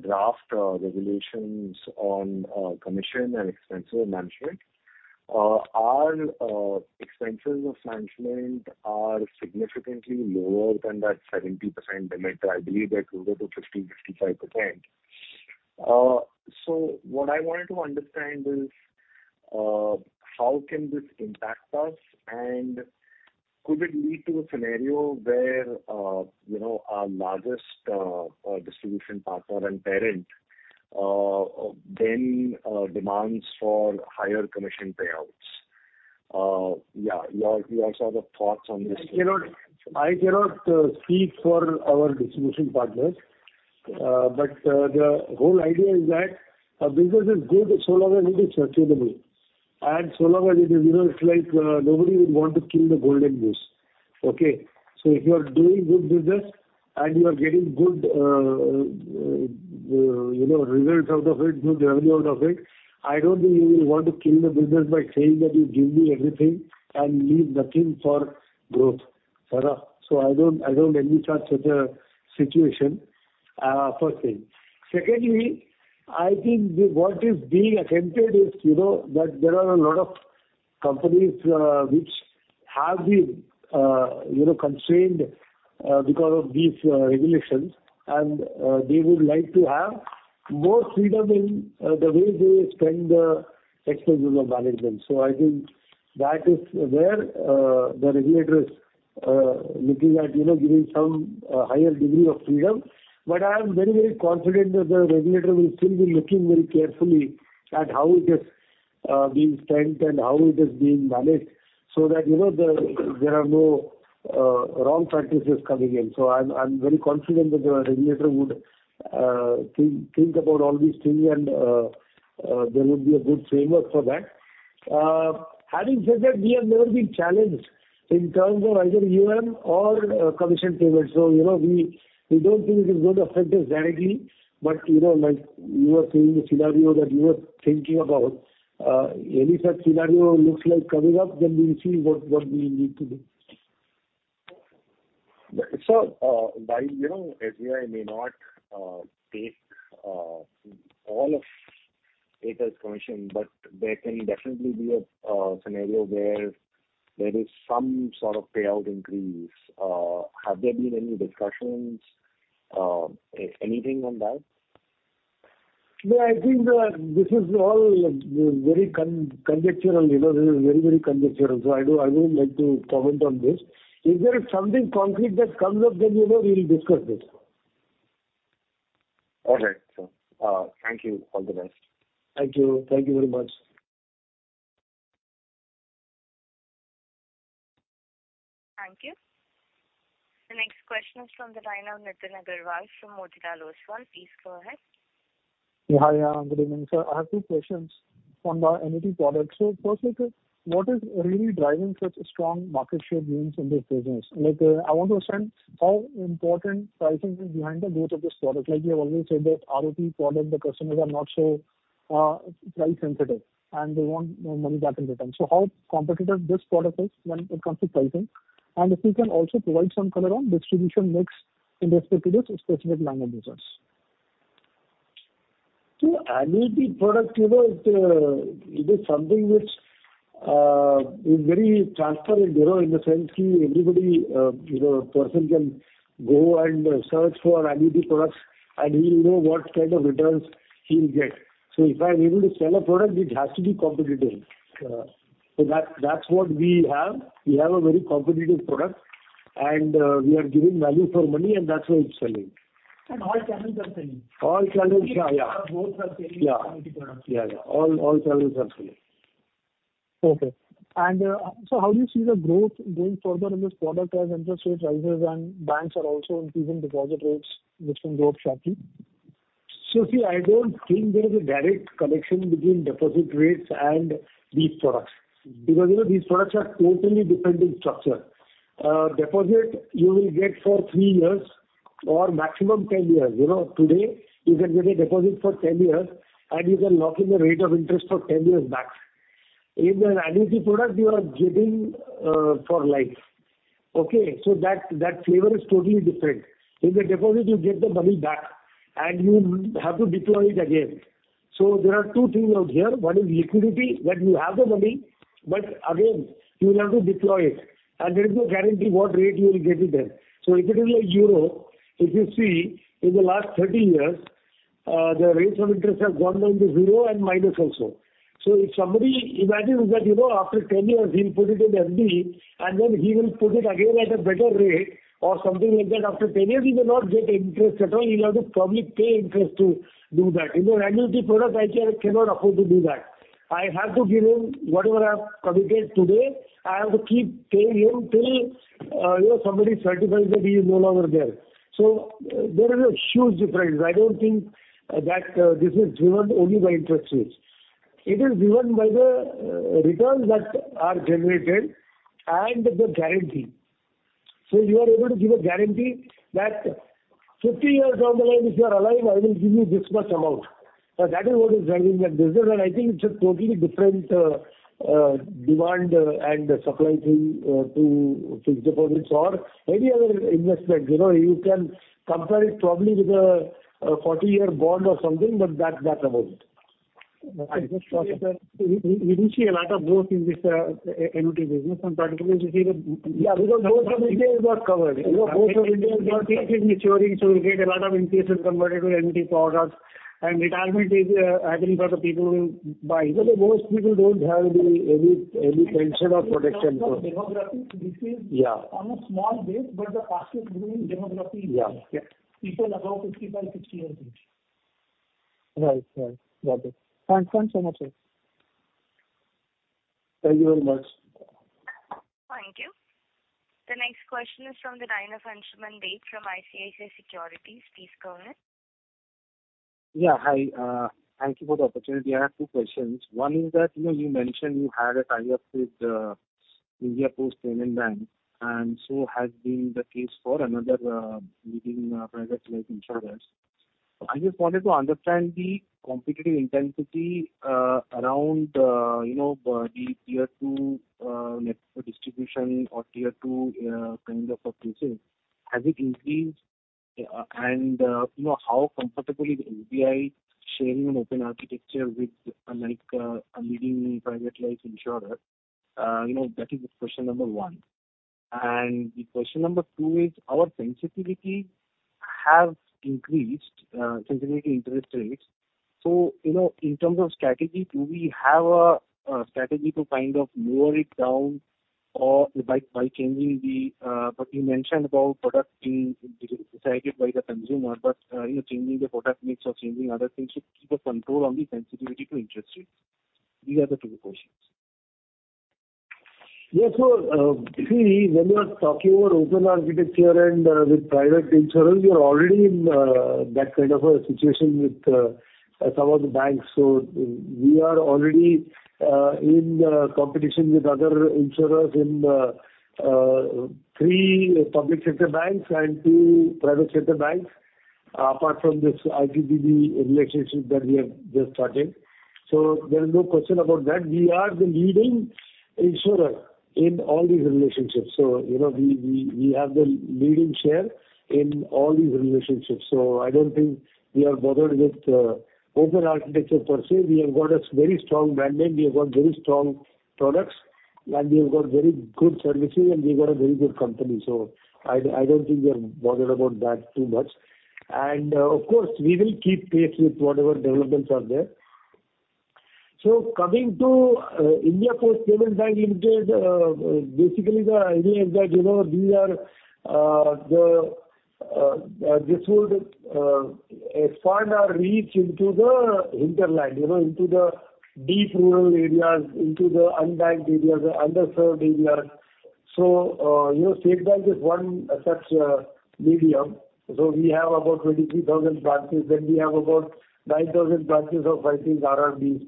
draft regulations on commission and expenses of management. Our expenses of management are significantly lower than that 70% limit. I believe they're closer to 50%-55%. What I wanted to understand is, how can this impact us? Could it lead to a scenario where, you know, our largest distribution partner and parent then demands for higher commission payouts? Yeah, your sort of thoughts on this. I cannot speak for our distribution partners. The whole idea is that a business is good so long as it is sustainable, and so long as it is, you know, it's like, nobody would want to kill the golden goose. Okay. If you are doing good business and you are getting good, you know, results out of it, good revenue out of it, I don't think you will want to kill the business by saying that you give me everything and leave nothing for growth. Tara. I don't anticipate such a situation, first thing. Secondly, I think what is being attempted is, you know, that there are a lot of companies which have been, you know, constrained because of these regulations, and they would like to have more freedom in the way they spend the Expenses of Management. I think that is where the regulator is looking at, you know, giving some higher degree of freedom. I am very, very confident that the regulator will still be looking very carefully at how it is being spent and how it is being managed so that, you know, there are no wrong practices coming in. I'm very confident that the regulator would think about all these things and there would be a good framework for that. Having said that, we have never been challenged in terms of either EoM or commission payments. You know, we don't think it is going to affect us directly. You know, like you were saying, the scenario that you were thinking about, any such scenario looks like coming up, then we'll see what we need to do. While, you know, SBI may not take all of that as commission, but there can definitely be a scenario where there is some sort of payout increase. Have there been any discussions, anything on that? No, I think this is all very conjectural, you know. This is very, very conjectural. I don't, I wouldn't like to comment on this. If there is something concrete that comes up, then, you know, we'll discuss this. All right, sir. Thank you. All the best. Thank you. Thank you very much. Thank you. The next question is from the line of Nitin Aggarwal from Motilal Oswal. Please go ahead. Yeah. Hi. Yeah. Good evening, sir. I have two questions on the annuity product. Firstly, what is really driving such strong market share gains in this business? Like, I want to understand how important pricing is behind the growth of this product. Like you have always said that ROP product, the customers are not so price sensitive, and they want their money back in return. How competitive this product is when it comes to pricing? And if you can also provide some color on distribution mix in respect to this specific line of business. Annuity product, you know, it is something which is very transparent, you know, in the sense everybody, you know, person can go and search for annuity products, and he'll know what kind of returns he'll get. If I'm able to sell a product, it has to be competitive. That's what we have. We have a very competitive product, and we are giving value for money, and that's why it's selling. All channels are selling? All channels. Yeah, yeah. Both are selling. Yeah. Annuity products. Yeah, yeah. All channels are selling. How do you see the growth going further in this product as interest rate rises and banks are also increasing deposit rates, which can go sharply? See, I don't think there is a direct connection between deposit rates and these products. Because, you know, these products are totally different in structure. Deposit you will get for 3 years or maximum 10 years. You know, today you can get a deposit for 10 years and you can lock in the rate of interest for 10 years back. In an annuity product, you are giving for life. Okay, that flavor is totally different. In the deposit, you get the money back and you have to deploy it again. There are two things out here. One is liquidity, when you have the money, but again, you will have to deploy it, and there is no guarantee what rate you will get it then. If it is like euro, if you see in the last 30 years, the rates of interest have gone down to zero and minus also. If somebody imagines that, you know, after 10 years he'll put it in FD, and then he will put it again at a better rate or something like that, after 10 years, he may not get interest at all. He'll have to probably pay interest to do that. In an annuity product, I cannot afford to do that. I have to give him whatever I have committed today. I have to keep paying him till, you know, somebody certifies that he is no longer there. There is a huge difference. I don't think that this is driven only by interest rates. It is driven by the returns that are generated and the guarantee. You are able to give a guarantee that 50 years down the line, if you are alive, I will give you this much amount. That is what is driving that business. I think it's a totally different demand and supply thing to fixed deposits or any other investment. You know, you can compare it probably with a 40-year bond or something, but that's about it. We do see a lot of growth in this annuity business and particularly we see the Yeah, because most of India is not covered. You know, We get a lot of NPS converted to annuity products and retirement is happening for the people by- You know, most people don't have any pension or protection. Demographic, which is. Yeah. On a small base, but the fastest growing demography. Yeah. Yeah. People above 50 to 60 years age. Right. Got it. Thanks so much, sir. Thank you very much. Thank you. The next question is from the line of Ansuman Deb from ICICI Securities. Please go ahead. Yeah. Hi, thank you for the opportunity. I have two questions. One is that, you know, you mentioned you had a tie-up with India Post Payments Bank, and so has been the case for another leading private life insurer. I just wanted to understand the competitive intensity around you know the tier two network distribution or tier two kind of a presence. Has it increased? And you know how comfortable is SBI sharing an open architecture with like a leading private life insurer? You know that is question number one. And the question number two is, our sensitivity has increased, sensitivity to interest rates. You know, in terms of strategy, do we have a strategy to kind of lower it down or, you mentioned about product being decided by the consumer, but you know, changing the product mix or changing other things to keep a control on the sensitivity to interest rates. These are the two questions. See, when we are talking about open architecture and with private insurance, we are already in that kind of a situation with some of the banks. We are already in competition with other insurers in three public sector banks and two private sector banks, apart from this IPPB relationship that we have just started. There is no question about that. We are the leading insurer in all these relationships. You know, we have the leading share in all these relationships. I don't think we are bothered with open architecture per se. We have got a very strong brand name, we have got very strong products, and we have got very good services, and we've got a very good company. I don't think we are bothered about that too much. Of course, we will keep pace with whatever developments are there. Coming to India Post Payments Bank Limited, basically the idea is that, you know, this would expand our reach into the hinterland. You know, into the deep rural areas, into the unbanked areas, the underserved areas. You know, State Bank is one such medium. We have about 23,000 branches, then we have about 9,000 branches of IPPB's RRBs.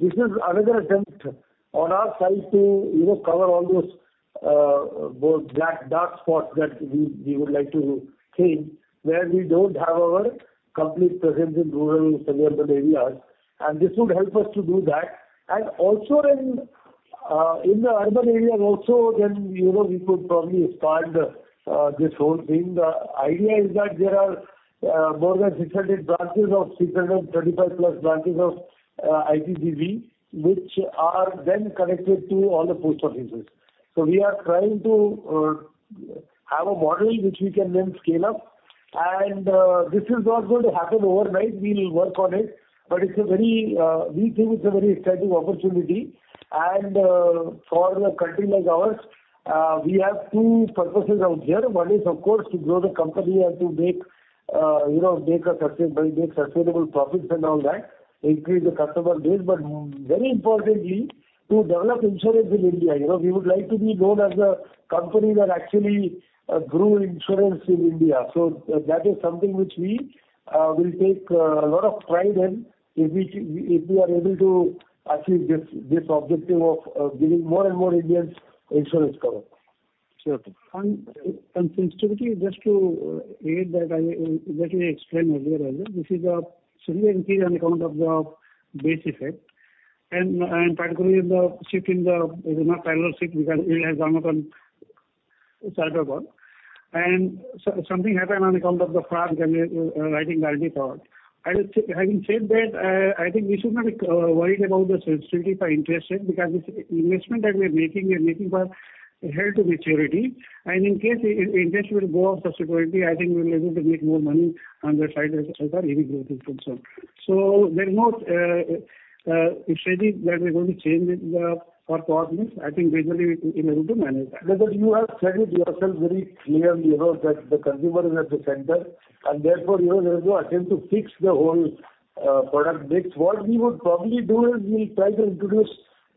This is another attempt on our side to, you know, cover all those black, dark spots that we would like to change, where we don't have our complete presence in rural, semi-urban areas. This would help us to do that. In the urban areas also, then, you know, we could probably expand this whole thing. The idea is that there are more than 600 branches or 635+ branches of IPPB, which are then connected to all the post offices. We are trying to have a model which we can then scale up. This is not going to happen overnight. We'll work on it. It's a very, we think it's a very exciting opportunity. For a country like ours, we have two purposes out here. One is of course to grow the company and to make sustainable profits and all that, increase the customer base, but very importantly, to develop insurance in India. You know, we would like to be known as a company that actually grew insurance in India. That is something which we will take a lot of pride in if we are able to achieve this objective of giving more and more Indians insurance cover. Sure. Sensitivity just to add that we explained earlier on. This is simply an increase on account of the base effect and particularly in the shift in the, you know, parallel shift because it has gone up on short-term bond. Something happened on account of the FRAC and writing value for it. I would say. Having said that, I think we should not be worried about the sensitivity for interest rate because it's investment that we're making to hold to maturity. In case interest will go up subsequently, I think we'll be able to make more money on that side as our earnings growth is concerned. There is no strategy that we're going to change for products. I think gradually we'll be able to manage that. Because you have said it yourself very clearly, you know, that the consumer is at the center, and therefore, you know, there is no attempt to fix the whole product mix. What we would probably do is we'll try to introduce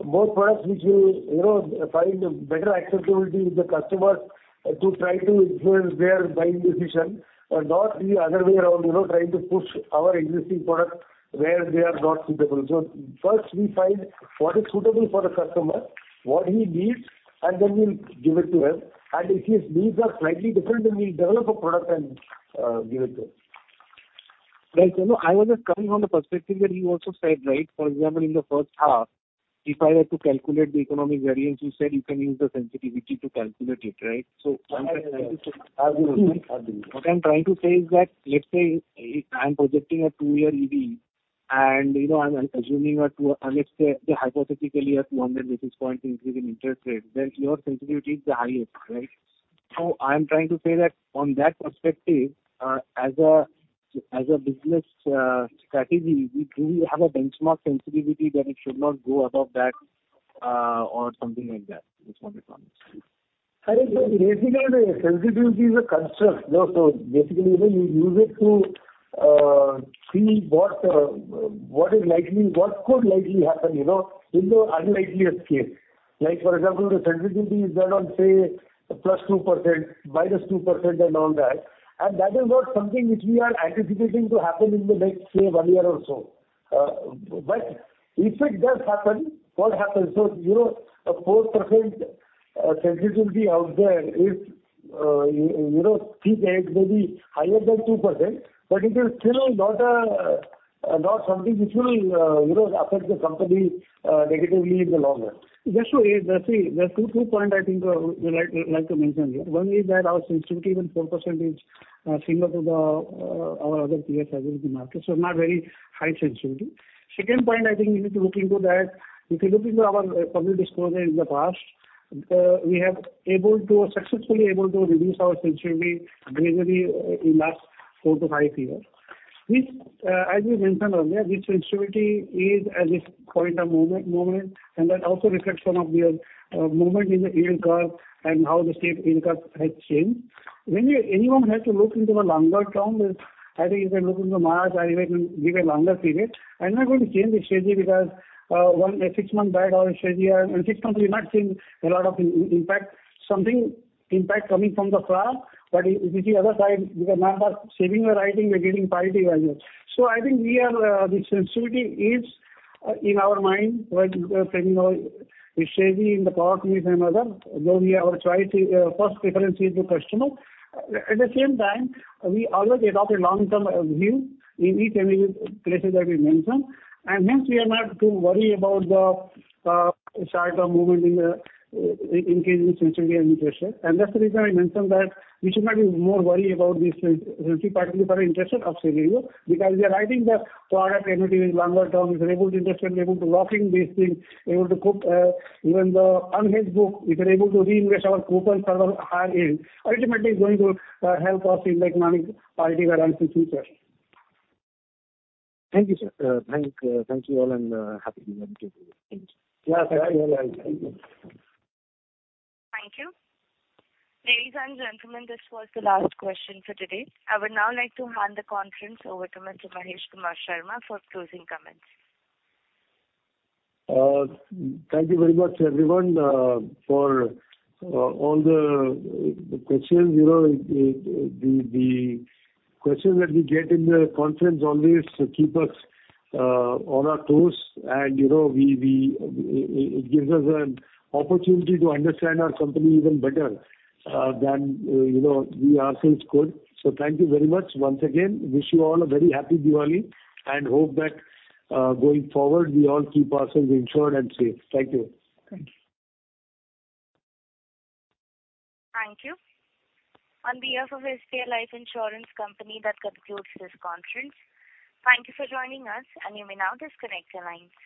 more products which will, you know, find better acceptability with the customer to try to influence their buying decision and not the other way around, you know, trying to push our existing product where they are not suitable. First we find what is suitable for the customer, what he needs, and then we'll give it to him. If his needs are slightly different, then we'll develop a product and give it to him. Right. You know, I was just coming from the perspective that you also said, right? For example, in the first half, if I were to calculate the economic variance, you said you can use the sensitivity to calculate it, right? What I'm trying to Absolutely. Absolutely. What I'm trying to say is that, let's say if I'm projecting a two-year ED and, you know, I'm assuming let's say hypothetically a 200 basis point increase in interest rate, then your sensitivity is the highest, right? I'm trying to say that on that perspective, as a business strategy, do you have a benchmark sensitivity that it should not go above that, or something like that? Just want your comments. I think basically the sensitivity is a construct. Basically, you know, you use it to see what could likely happen, you know, in the unlikeliest case. Like for example, the sensitivity is around, say, +2%, -2% and all that. That is not something which we are anticipating to happen in the next, say, one year or so. If it does happen, what happens? You know, a 4% sensitivity out there is, you know, peak age may be higher than 2%, but it is still not something which will, you know, affect the company negatively in the long run. Just to add. See, there are two points I think I would like to mention here. One is that our sensitivity, even 4% is similar to our other peers in the market, so not very high sensitivity. Second point I think we need to look into that. If you look into our public disclosure in the past, we have successfully been able to reduce our sensitivity gradually in last 4-5 years. This, as you mentioned earlier, this sensitivity is at this point at the moment, and that also reflects some of the movement in the yield curve and how the shape of the yield curve has changed. Anyone has to look into the longer term. I think if you look into March and even give a longer period, I'm not going to change the strategy because one, six months back our strategy, in six months we might see a lot of impact, some impact coming from the rate. But if you see the other side, because now we are shifting the writing, we're getting better value. So I think the sensitivity is in our mind when setting our strategy in the product mix and other, though we try to, first preference is the customer. At the same time, we always adopt a long-term view in each and every places that we mention. Hence we are not too worried about the short-term movement in the case of sensitivity and interest rate. That's the reason I mentioned that we should not be more worried about the sensitivity, particularly for an interest rate of saving because we are writing the product annuity in longer term. If we're able to invest and able to lock in these things, able to put even the unhedged book, if we're able to reinvest our coupon further higher yield, ultimately it's going to help us in managing EV in future. Thank you, sir. Thank you all and happy Diwali to you. Thank you. Yeah. Thank you. Thank you. Ladies and gentlemen, this was the last question for today. I would now like to hand the conference over to Mr. Mahesh Kumar Sharma for closing comments. Thank you very much everyone for all the questions. You know, the questions that we get in the conference always keep us on our toes. You know, it gives us an opportunity to understand our company even better than you know, we ourselves could. Thank you very much once again. Wish you all a very happy Diwali and hope that going forward, we all keep ourselves insured and safe. Thank you. Thank you. Thank you. On behalf of SBI Life Insurance Company, that concludes this conference. Thank you for joining us, and you may now disconnect your lines.